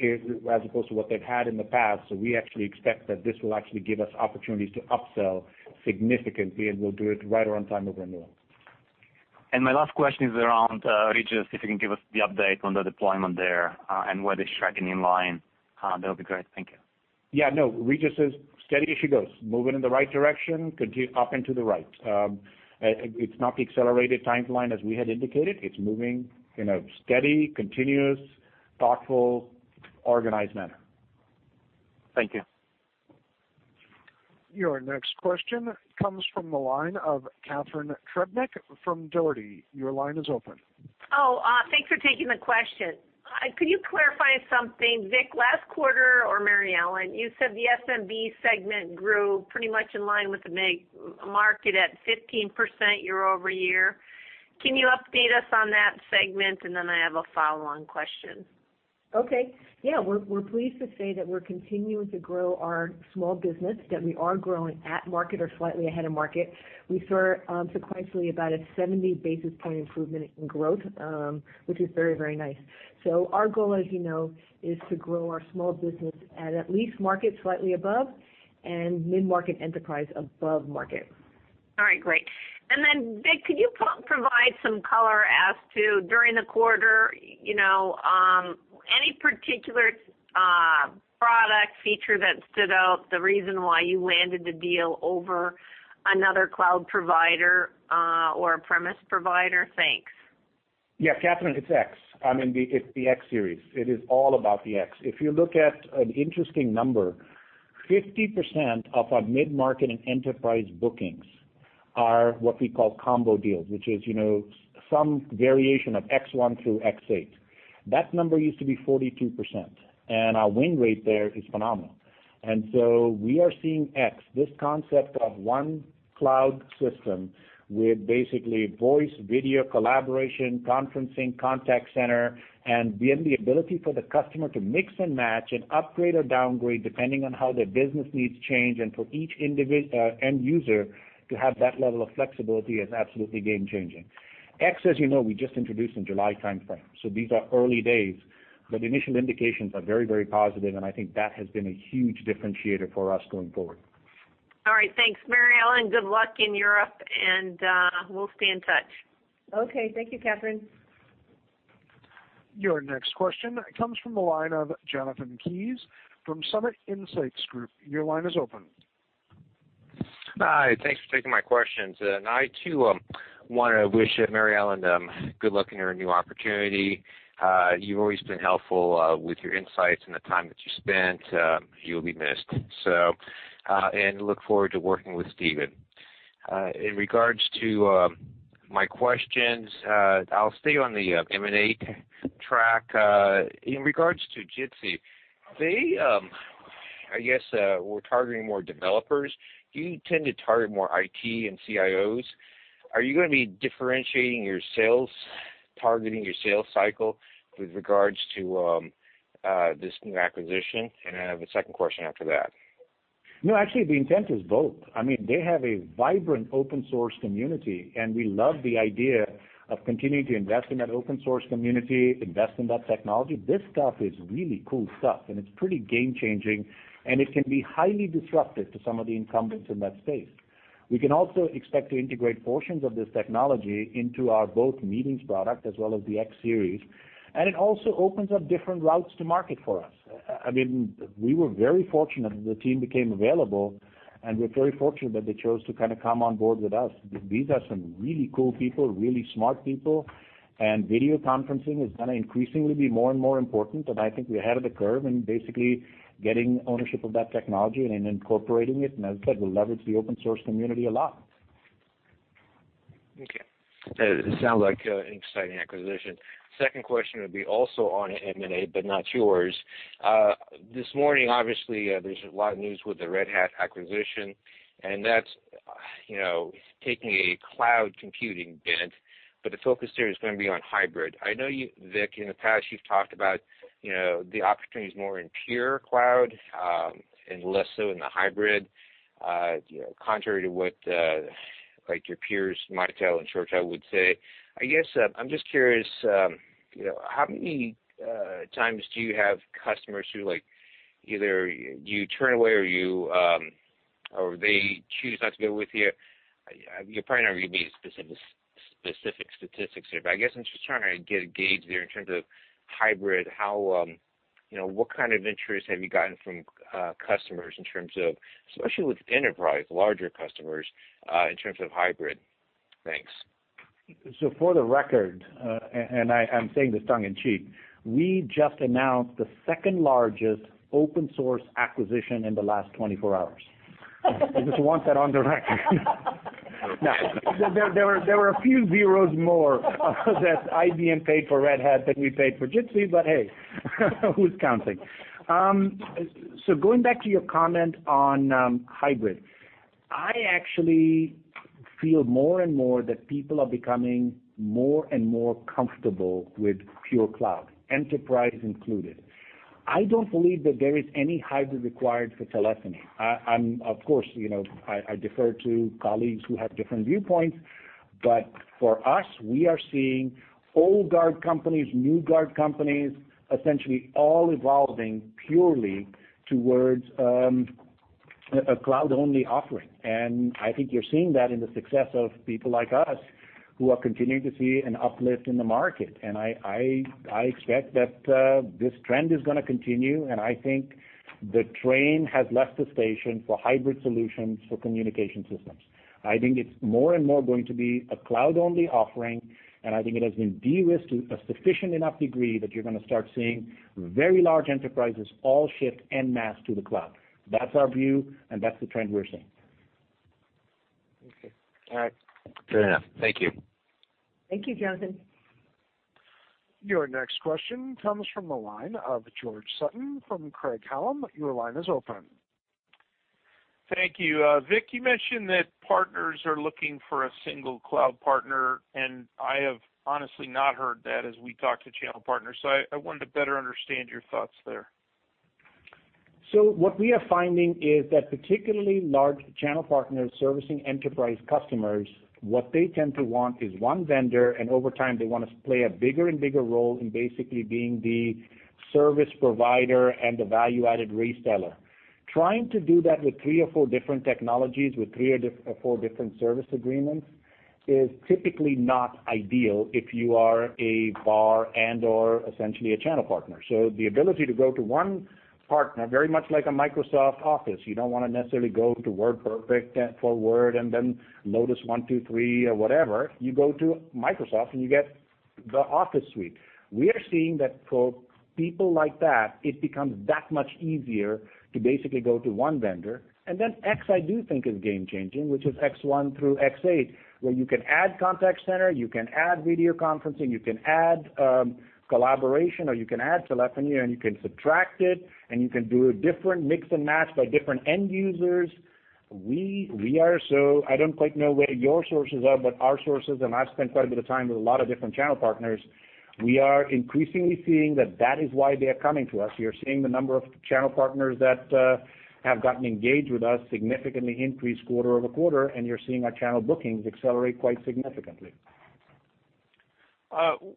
[SPEAKER 3] as opposed to what they've had in the past. We actually expect that this will actually give us opportunities to upsell significantly, and we'll do it right around time of renewal.
[SPEAKER 8] My last question is around Regus, if you can give us the update on the deployment there, and whether it's tracking in line, that'll be great. Thank you.
[SPEAKER 3] Yeah, no. Regus is steady as she goes. Moving in the right direction, up and to the right. It's not the accelerated timeline as we had indicated. It's moving in a steady, continuous, thoughtful, organized manner.
[SPEAKER 8] Thank you.
[SPEAKER 1] Your next question comes from the line of Catharine Trebnick from Dougherty & Company. Your line is open.
[SPEAKER 9] Oh, thanks for taking the question. Could you clarify something, Vik? Last quarter, or Mary Ellen, you said the SMB segment grew pretty much in line with the market at 15% year-over-year. Can you update us on that segment? Then I have a follow-on question.
[SPEAKER 4] Okay. Yeah, we're pleased to say that we're continuing to grow our small business, that we are growing at market or slightly ahead of market. We saw sequentially about a 70 basis point improvement in growth, which is very, very nice. Our goal, as you know, is to grow our small business at least market, slightly above, and mid-market enterprise above market.
[SPEAKER 9] All right, great. Vik, could you provide some color as to, during the quarter, any particular product feature that stood out, the reason why you landed the deal over another cloud provider, or a premise provider? Thanks.
[SPEAKER 3] Yeah. Catharine, it's X. It's the X Series. It is all about the X. If you look at an interesting number, 50% of our mid-market and enterprise bookings are what we call combo deals, which is some variation of X one through X eight. That number used to be 42%, and our win rate there is phenomenal. We are seeing X, this concept of One System of Engagement with basically voice, video, collaboration, conferencing, contact center, and the ability for the customer to mix and match and upgrade or downgrade depending on how their business needs change and for each end user to have that level of flexibility is absolutely game changing. X, as you know, we just introduced in July timeframe, so these are early days, but the initial indications are very positive, and I think that has been a huge differentiator for us going forward.
[SPEAKER 9] All right. Thanks, Mary Ellen, good luck in Europe, we'll stay in touch.
[SPEAKER 4] Okay. Thank you, Catharine.
[SPEAKER 1] Your next question comes from the line of Jonathan Kees from Summit Insights Group. Your line is open.
[SPEAKER 10] Hi, thanks for taking my questions. I, too, want to wish Mary Ellen good luck in her new opportunity. You've always been helpful with your insights and the time that you spent. You'll be missed. Look forward to working with Steven. In regards to my questions, I'll stay on the M&A track. In regards to Jitsi, they, I guess, were targeting more developers. You tend to target more IT and CIOs. Are you going to be differentiating your sales, targeting your sales cycle with regards to this new acquisition? I have a second question after that.
[SPEAKER 3] No, actually, the intent is both. They have a vibrant open source community, we love the idea of continuing to invest in that open source community, invest in that technology. This stuff is really cool stuff, it's pretty game changing, it can be highly disruptive to some of the incumbents in that space. We can also expect to integrate portions of this technology into our both meetings product as well as the X Series. It also opens up different routes to market for us. We were very fortunate that the team became available, we're very fortunate that they chose to come on board with us. These are some really cool people, really smart people. Video conferencing is going to increasingly be more and more important, I think we're ahead of the curve in basically getting ownership of that technology and incorporating it. As I said, we'll leverage the open source community a lot.
[SPEAKER 10] Okay. It sounds like an exciting acquisition. Second question would be also on M&A, not yours. This morning, obviously, there's a lot of news with the Red Hat acquisition, that's taking a cloud computing bent, the focus there is going to be on hybrid. I know you, Vik, in the past, you've talked about the opportunities more in pure cloud, less so in the hybrid. Contrary to what your peers, Mitel and ShoreTel would say. I guess I'm just curious, how many times do you have customers who either you turn away, or they choose not to go with you? You're probably not going to give me specific statistics here, I guess I'm just trying to get a gauge there in terms of hybrid. What kind of interest have you gotten from customers, especially with enterprise, larger customers, in terms of hybrid? Thanks.
[SPEAKER 3] For the record, I'm saying this tongue in cheek, we just announced the second-largest open source acquisition in the last 24 hours. I just want that on the record. No, there were a few zeros more that IBM paid for Red Hat than we paid for Jitsi, hey, who's counting? Going back to your comment on hybrid, I actually feel more and more that people are becoming more and more comfortable with pure cloud, enterprise included. I don't believe that there is any hybrid required for telephony. Of course, I defer to colleagues who have different viewpoints. For us, we are seeing old guard companies, new guard companies, essentially all evolving purely towards a cloud-only offering. I think you're seeing that in the success of people like us who are continuing to see an uplift in the market. I expect that this trend is going to continue, I think the train has left the station for hybrid solutions for communication systems. I think it's more and more going to be a cloud-only offering, I think it has been de-risked to a sufficient enough degree that you're going to start seeing very large enterprises all shift en masse to the cloud. That's our view, that's the trend we're seeing.
[SPEAKER 10] Okay. All right. Fair enough. Thank you.
[SPEAKER 4] Thank you, Jonathan.
[SPEAKER 1] Your next question comes from the line of George Sutton from Craig-Hallum. Your line is open.
[SPEAKER 11] Thank you. Vik, you mentioned that partners are looking for a single cloud partner, and I have honestly not heard that as we talk to channel partners, so I wanted to better understand your thoughts there.
[SPEAKER 3] What we are finding is that particularly large channel partners servicing enterprise customers, what they tend to want is one vendor, and over time, they want to play a bigger and bigger role in basically being the service provider and the value-added reseller. Trying to do that with three or four different technologies, with three or four different service agreements, is typically not ideal if you are a VAR and/or essentially a channel partner. The ability to go to one partner, very much like a Microsoft Office, you don't want to necessarily go to WordPerfect for Word and then Lotus 1-2-3 or whatever. You go to Microsoft, and you get the Office suite. We are seeing that for people like that, it becomes that much easier to basically go to one vendor. X, I do think is game changing, which is X one through X eight, where you can add contact center, you can add video conferencing, you can add collaboration, or you can add telephony, and you can subtract it, and you can do a different mix and match by different end users. I don't quite know where your sources are, but our sources, and I've spent quite a bit of time with a lot of different channel partners. We are increasingly seeing that that is why they are coming to us. We are seeing the number of channel partners that have gotten engaged with us significantly increase quarter-over-quarter, and you're seeing our channel bookings accelerate quite significantly.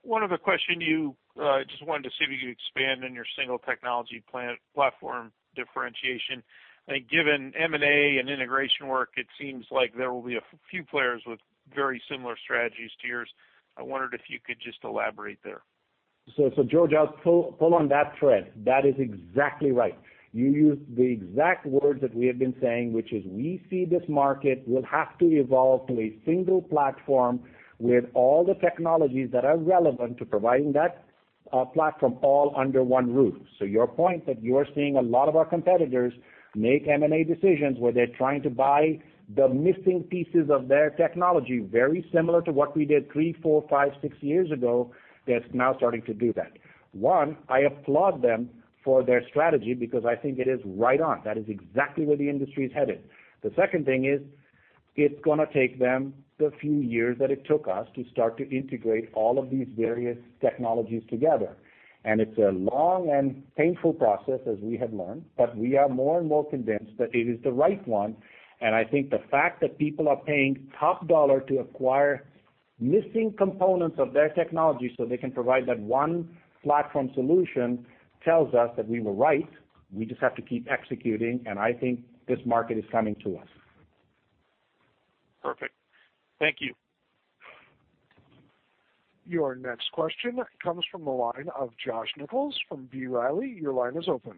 [SPEAKER 11] One other question. Just wanted to see if you could expand on your single technology platform differentiation. Given M&A and integration work, it seems like there will be a few players with very similar strategies to yours. I wondered if you could just elaborate there.
[SPEAKER 3] George, I'll pull on that thread. That is exactly right. You used the exact words that we have been saying, which is we see this market will have to evolve to a single platform with all the technologies that are relevant to providing that platform all under one roof. Your point that you are seeing a lot of our competitors make M&A decisions where they're trying to buy the missing pieces of their technology, very similar to what we did three, four, five, six years ago, they're now starting to do that. One, I applaud them for their strategy because I think it is right on. That is exactly where the industry is headed. The second thing is, it's going to take them the few years that it took us to start to integrate all of these various technologies together. It's a long and painful process, as we have learned. We are more and more convinced that it is the right one. I think the fact that people are paying top dollar to acquire missing components of their technology so they can provide that one platform solution tells us that we were right. We just have to keep executing. I think this market is coming to us.
[SPEAKER 11] Perfect. Thank you.
[SPEAKER 1] Your next question comes from the line of Josh Nichols from B. Riley. Your line is open.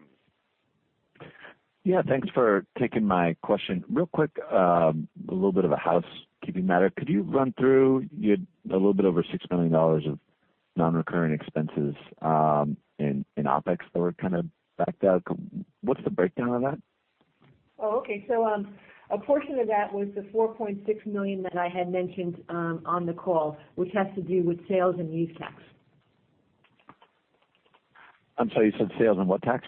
[SPEAKER 12] Thanks for taking my question. Real quick, a little bit of a housekeeping matter. Could you run through a little bit over $6 million of non-recurring expenses in OpEx that were backed out? What's the breakdown on that?
[SPEAKER 4] Oh, okay. A portion of that was the $4.6 million that I had mentioned on the call, which has to do with sales and use tax.
[SPEAKER 12] I'm sorry, you said sales and what tax?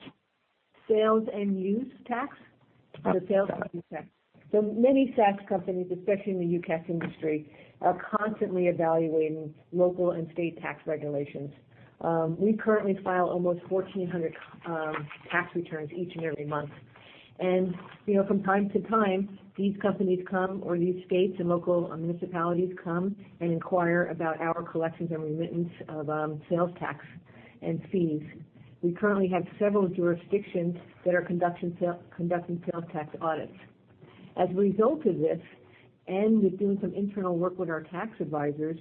[SPEAKER 4] Sales and use tax. The sales and use tax. Many SaaS companies, especially in the UCaaS industry, are constantly evaluating local and state tax regulations. We currently file almost 1,400 tax returns each and every month. From time to time, these companies come, or these states and local municipalities come and inquire about our collections and remittance of sales tax and fees. We currently have several jurisdictions that are conducting sales tax audits. As a result of this, and with doing some internal work with our tax advisors,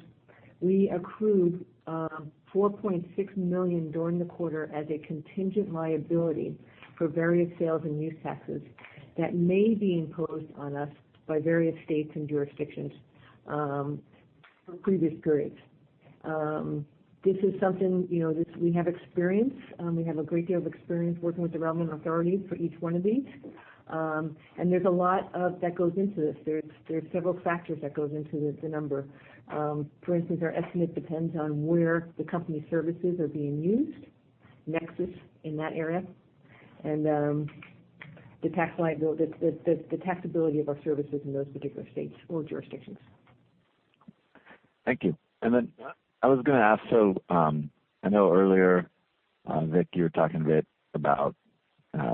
[SPEAKER 4] we accrued $4.6 million during the quarter as a contingent liability for various sales and use taxes that may be imposed on us by various states and jurisdictions from previous periods. We have a great deal of experience working with the relevant authorities for each one of these. There's a lot that goes into this. There's several factors that goes into the number. For instance, our estimate depends on where the company services are being used, Nexus in that area, and the taxability of our services in those particular states or jurisdictions.
[SPEAKER 12] Thank you. I was going to ask, I know earlier, Vik, you were talking a bit about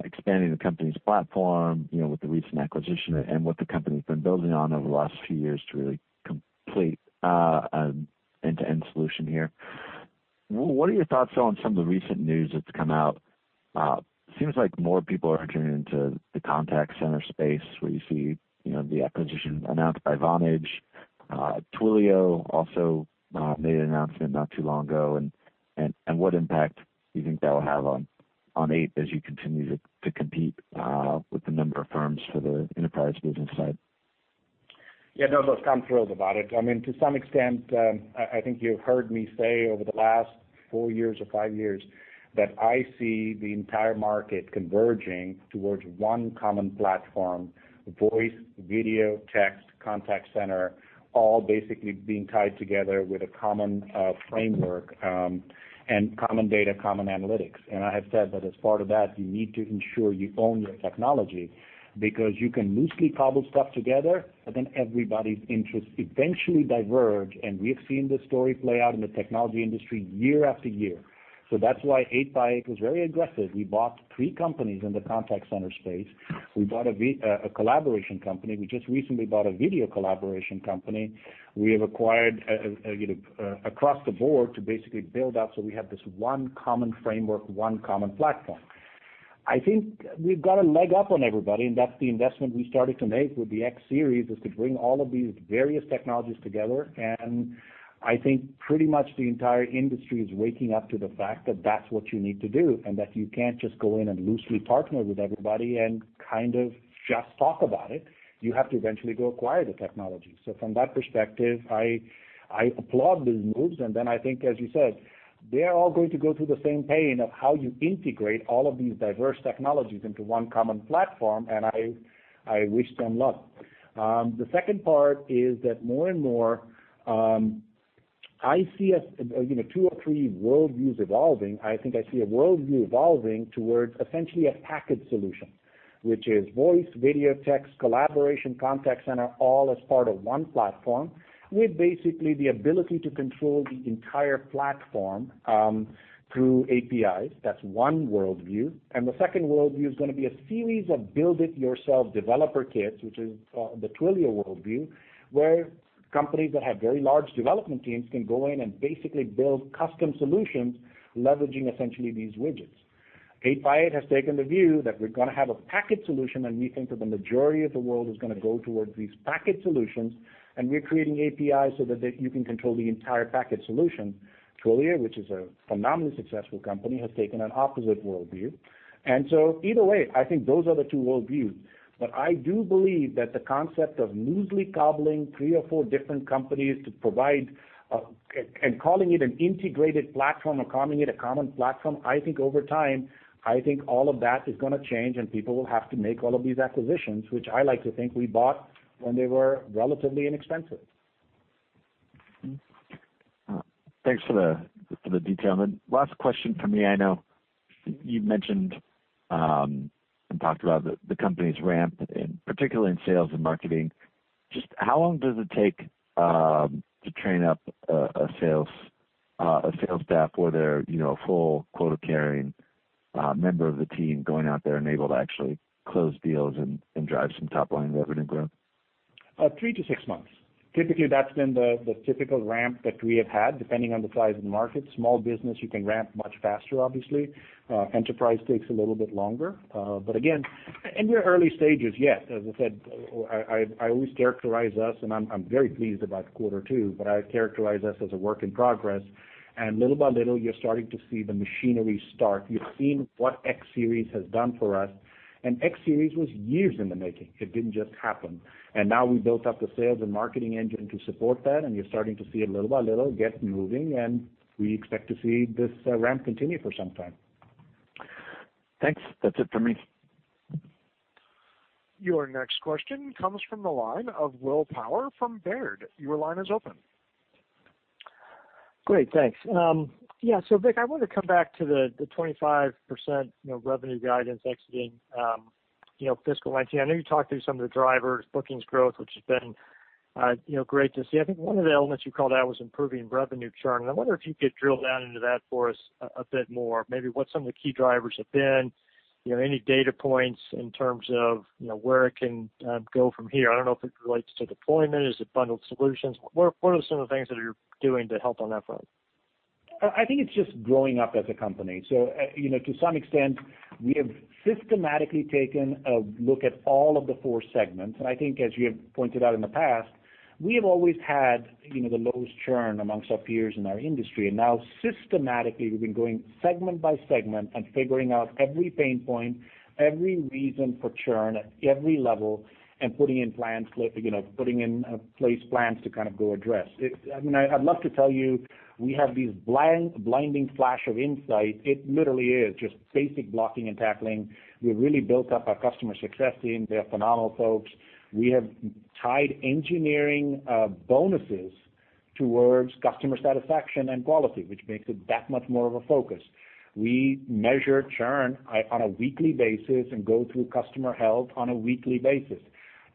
[SPEAKER 12] expanding the company's platform, with the recent acquisition and what the company's been building on over the last few years to really complete an end-to-end solution here. What are your thoughts on some of the recent news that's come out? Seems like more people are entering into the contact center space where you see the acquisition announced by Vonage. Twilio also made an announcement not too long ago, and what impact do you think that will have on 8x8 as you continue to compete with the number of firms for the enterprise business side?
[SPEAKER 3] I'm thrilled about it. To some extent, I think you've heard me say over the last four years or five years that I see the entire market converging towards one common platform, voice, video, text, contact center, all basically being tied together with a common framework and common data, common analytics. I have said that as part of that, you need to ensure you own your technology because you can loosely cobble stuff together, everybody's interests eventually diverge, and we've seen this story play out in the technology industry year after year. That's why 8x8 was very aggressive. We bought three companies in the contact center space. We bought a collaboration company. We just recently bought a video collaboration company. We have acquired across the board to basically build out, we have this one common framework, one common platform. I think we've got a leg up on everybody, and that's the investment we started to make with the X Series, is to bring all of these various technologies together. I think pretty much the entire industry is waking up to the fact that that's what you need to do, and that you can't just go in and loosely partner with everybody and kind of just talk about it. You have to eventually go acquire the technology. From that perspective, I applaud those moves, I think, as you said, they're all going to go through the same pain of how you integrate all of these diverse technologies into one common platform, and I wish them luck. The second part is that more and more, I see two or three worldviews evolving. I think I see a worldview evolving towards essentially a packaged solution. Which is voice, video, text, collaboration, contact center, all as part of one platform with basically the ability to control the entire platform through APIs. That's one worldview. The second worldview is going to be a series of build-it-yourself developer kits, which is the Twilio worldview, where companies that have very large development teams can go in and basically build custom solutions leveraging essentially these widgets. 8x8 has taken the view that we're going to have a packaged solution, and we think that the majority of the world is going to go towards these packaged solutions, and we're creating APIs so that you can control the entire packaged solution. Twilio, which is a phenomenally successful company, has taken an opposite worldview. Either way, I think those are the two worldviews. I do believe that the concept of loosely cobbling three or four different companies to provide, and calling it an integrated platform or calling it a common platform, I think over time, all of that is going to change, and people will have to make all of these acquisitions, which I like to think we bought when they were relatively inexpensive.
[SPEAKER 12] Thanks for the detail. Last question from me. I know you mentioned and talked about the company's ramp, particularly in sales and marketing. Just how long does it take to train up a sales staff where they're a full quota-carrying member of the team going out there and able to actually close deals and drive some top-line revenue growth?
[SPEAKER 3] Three to six months. Typically, that's been the typical ramp that we have had, depending on the size of the market. Small business, you can ramp much faster, obviously. Enterprise takes a little bit longer. Again, in your early stages, yes. As I said, I always characterize us, and I'm very pleased about quarter two, but I characterize us as a work in progress. Little by little, you're starting to see the machinery start. You've seen what X Series has done for us, and X Series was years in the making. It didn't just happen. Now we built up the sales and marketing engine to support that, and you're starting to see it little by little get moving, and we expect to see this ramp continue for some time.
[SPEAKER 12] Thanks. That's it for me.
[SPEAKER 1] Your next question comes from the line of William Power from Baird. Your line is open.
[SPEAKER 13] Great, thanks. Yeah. Vik, I wanted to come back to the 25% revenue guidance exiting fiscal 2019. I know you talked through some of the drivers, bookings growth, which has been great to see. I think one of the elements you called out was improving revenue churn, and I wonder if you could drill down into that for us a bit more. Maybe what some of the key drivers have been. Any data points in terms of where it can go from here. I don't know if it relates to deployment. Is it bundled solutions? What are some of the things that you're doing to help on that front?
[SPEAKER 3] I think it's just growing up as a company. To some extent, we have systematically taken a look at all of the four segments. I think as you have pointed out in the past, we have always had the lowest churn amongst our peers in our industry. Now systematically, we've been going segment by segment and figuring out every pain point, every reason for churn at every level, and putting in place plans to go address. I'd love to tell you we have these blinding flash of insight. It literally is just basic blocking and tackling. We've really built up our customer success team. They're phenomenal folks. We have tied engineering bonuses towards customer satisfaction and quality, which makes it that much more of a focus. We measure churn on a weekly basis and go through customer health on a weekly basis.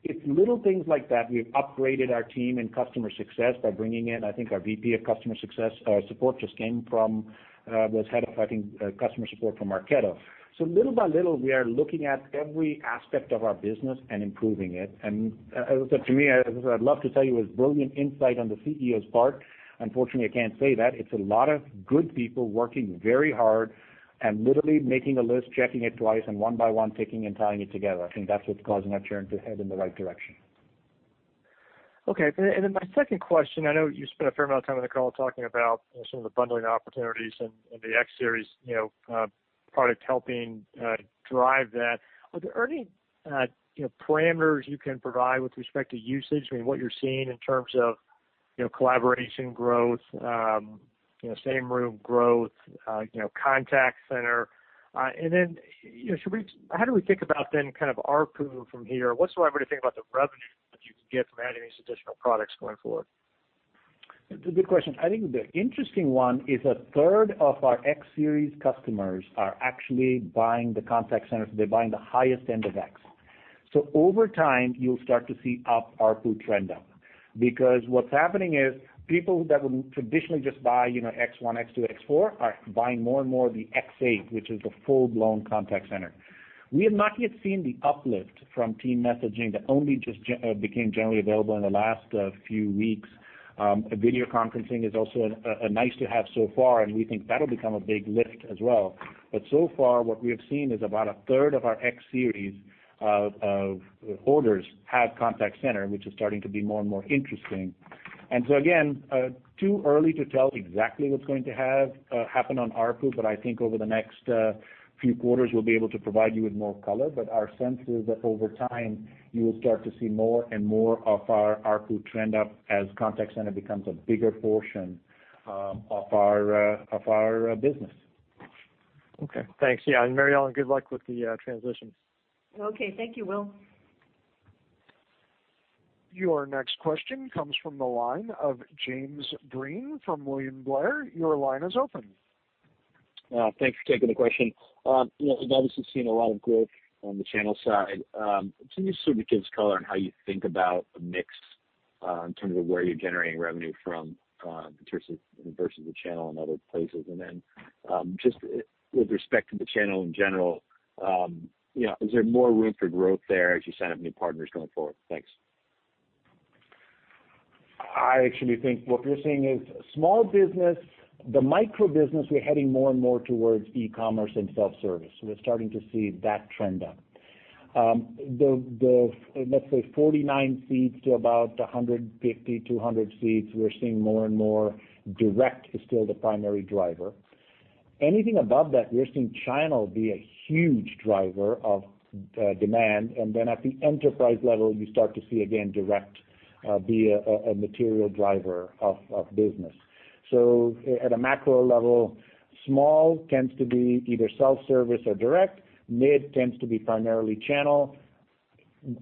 [SPEAKER 3] It's little things like that. We've upgraded our team in customer success by bringing in, I think our VP of customer success support just came from, was head of, I think, customer support from Marketo. Little by little, we are looking at every aspect of our business and improving it. As I said to me, I'd love to tell you it was brilliant insight on the CEO's part. Unfortunately, I can't say that. It's a lot of good people working very hard and literally making a list, checking it twice, and one by one, ticking and tying it together. I think that's what's causing our churn to head in the right direction.
[SPEAKER 13] Okay. My second question, I know you spent a fair amount of time on the call talking about some of the bundling opportunities and the X Series product helping drive that. Are there any parameters you can provide with respect to usage? What you're seeing in terms of collaboration growth, same room growth, contact center. How do we think about then kind of ARPU from here? What's the right way to think about the revenue that you can get from adding these additional products going forward?
[SPEAKER 3] It's a good question. I think the interesting one is a third of our X Series customers are actually buying the contact center, so they're buying the highest end of X. Over time, you'll start to see up ARPU trend up because what's happening is people that would traditionally just buy X1, X2, X4 are buying more and more the X8, which is the full-blown contact center. We have not yet seen the uplift from team messaging that only just became generally available in the last few weeks. Video conferencing is also a nice-to-have so far, and we think that'll become a big lift as well. So far, what we have seen is about a third of our X Series of orders have contact center, which is starting to be more and more interesting. Again, too early to tell exactly what's going to happen on ARPU, I think over the next few quarters, we'll be able to provide you with more color. Our sense is that over time, you will start to see more and more of our ARPU trend up as contact center becomes a bigger portion of our business.
[SPEAKER 13] Okay, thanks. Mary Ellen, good luck with the transition.
[SPEAKER 4] Okay, thank you, Will.
[SPEAKER 1] Your next question comes from the line of Jim Breen from William Blair. Your line is open.
[SPEAKER 14] Thanks for taking the question. You've obviously seen a lot of growth on the channel side. Can you sort of give us color on how you think about the mix, in terms of where you're generating revenue from, in terms of versus the channel and other places? Just with respect to the channel in general, is there more room for growth there as you sign up new partners going forward? Thanks.
[SPEAKER 3] I actually think what we're seeing is small business, the micro business, we're heading more and more towards e-commerce and self-service. We're starting to see that trend up. Let's say 49 seats to about 150, 200 seats, we're seeing more and more direct is still the primary driver. At the enterprise level, you start to see, again, direct be a material driver of business. At a macro level, small tends to be either self-service or direct. Mid tends to be primarily channel.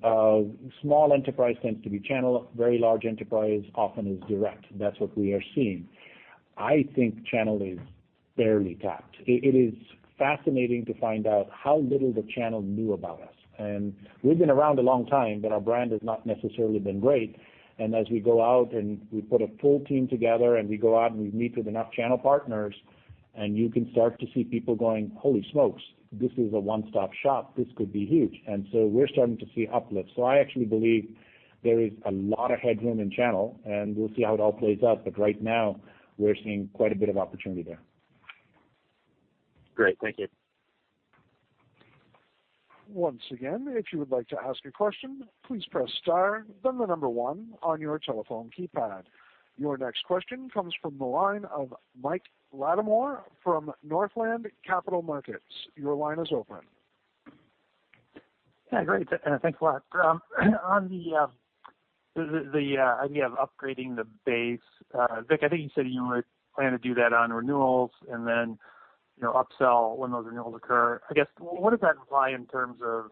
[SPEAKER 3] Small enterprise tends to be channel. Very large enterprise often is direct. That's what we are seeing. I think channel is barely tapped. It is fascinating to find out how little the channel knew about us. We've been around a long time, but our brand has not necessarily been great. As we go out and we put a full team together, and we go out and we meet with enough channel partners, and you can start to see people going, "Holy smokes, this is a one-stop shop. This could be huge." We're starting to see uplift. I actually believe there is a lot of headroom in channel, and we'll see how it all plays out. Right now, we're seeing quite a bit of opportunity there.
[SPEAKER 14] Great. Thank you.
[SPEAKER 1] Once again, if you would like to ask a question, please press star then the number 1 on your telephone keypad. Your next question comes from the line of Michael Latimore from Northland Capital Markets. Your line is open.
[SPEAKER 15] Yeah, great. Thanks a lot. On the idea of upgrading the base, Vik, I think you said you plan to do that on renewals and then upsell when those renewals occur. I guess, what does that imply in terms of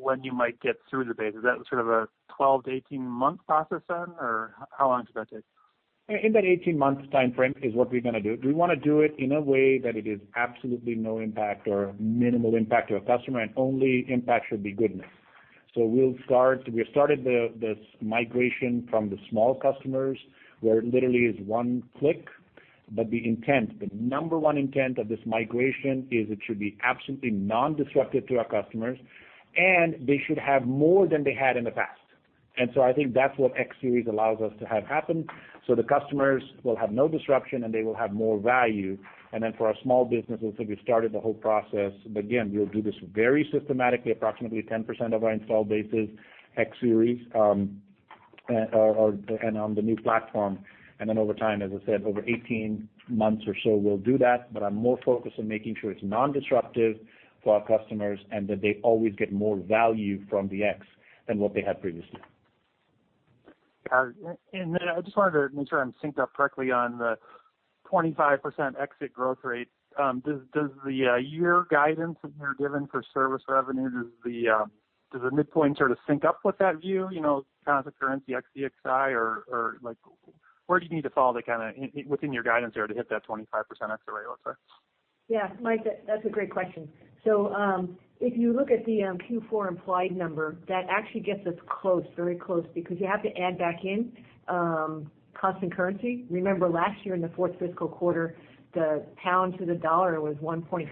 [SPEAKER 15] when you might get through the base? Is that sort of a 12- to 18-month process then, or how long should that take?
[SPEAKER 3] In that 18-month timeframe is what we're going to do. We want to do it in a way that it is absolutely no impact or minimal impact to a customer, and only impact should be goodness. We've started this migration from the small customers, where it literally is one click, but the intent, the number one intent of this migration is it should be absolutely non-disruptive to our customers, and they should have more than they had in the past. I think that's what X Series allows us to have happen. The customers will have no disruption, and they will have more value. For our small businesses, we've started the whole process. Again, we'll do this very systematically, approximately 10% of our install base is X Series, and on the new platform. Over time, as I said, over 18 months or so, we'll do that. I'm more focused on making sure it's non-disruptive for our customers and that they always get more value from the X than what they had previously.
[SPEAKER 15] Got it. I just wanted to make sure I'm synced up correctly on the 25% exit growth rate. Does the year guidance that you're given for service revenue, does the midpoint sort of sync up with that view? Constant currency, ex DXI, or where do you need to fall within your guidance there to hit that 25% exit rate, let's say?
[SPEAKER 4] Mike, that's a great question. If you look at the Q4 implied number, that actually gets us close, very close, because you have to add back in constant currency. Remember, last year in the fourth fiscal quarter, the pound to the dollar was 1.38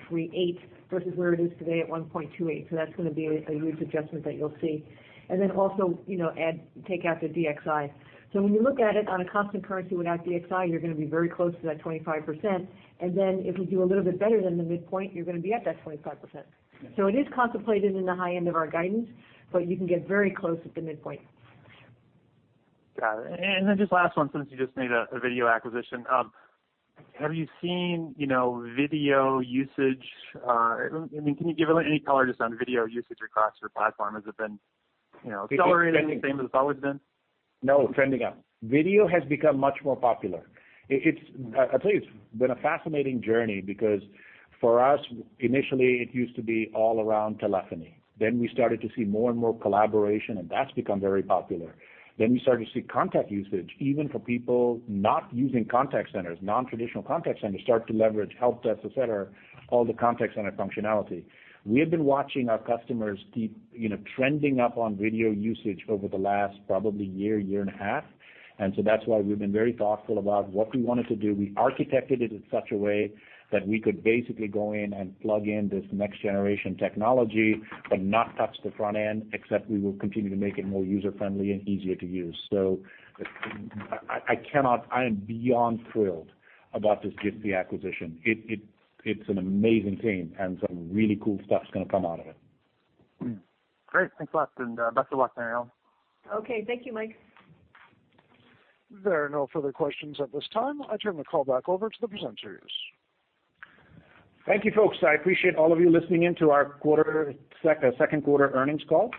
[SPEAKER 4] versus where it is today at 1.28. That's going to be a huge adjustment that you'll see. Also take out the DXI. When you look at it on a constant currency without DXI, you're going to be very close to that 25%. If we do a little bit better than the midpoint, you're going to be at that 25%. It is contemplated in the high end of our guidance, but you can get very close at the midpoint.
[SPEAKER 15] Got it. Just last one, since you just made a video acquisition. Can you give any color just on video usage across your platform? Has it been accelerating, same as it's always been?
[SPEAKER 3] No, trending up. Video has become much more popular. I tell you, it's been a fascinating journey because for us, initially, it used to be all around telephony. We started to see more and more collaboration, and that's become very popular. We started to see contact usage, even for people not using contact centers, non-traditional contact centers, start to leverage help desks, et cetera, all the contact center functionality. We have been watching our customers trending up on video usage over the last probably year and a half, that's why we've been very thoughtful about what we wanted to do. We architected it in such a way that we could basically go in and plug in this next-generation technology but not touch the front end, except we will continue to make it more user-friendly and easier to use. I am beyond thrilled about this Jitsi acquisition. It's an amazing team, and some really cool stuff's going to come out of it.
[SPEAKER 15] Great. Thanks a lot, and best of luck, Mary Ellen.
[SPEAKER 4] Okay. Thank you, Mike.
[SPEAKER 1] There are no further questions at this time. I turn the call back over to the presenters.
[SPEAKER 3] Thank you, folks. I appreciate all of you listening in to our second quarter earnings call.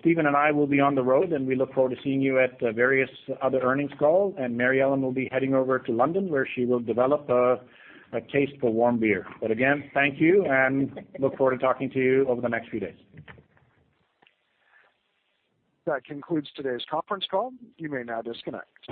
[SPEAKER 3] Steven and I will be on the road, and we look forward to seeing you at various other earnings calls. Mary Ellen will be heading over to London, where she will develop a taste for warm beer. Again, thank you, and look forward to talking to you over the next few days.
[SPEAKER 1] That concludes today's conference call. You may now disconnect.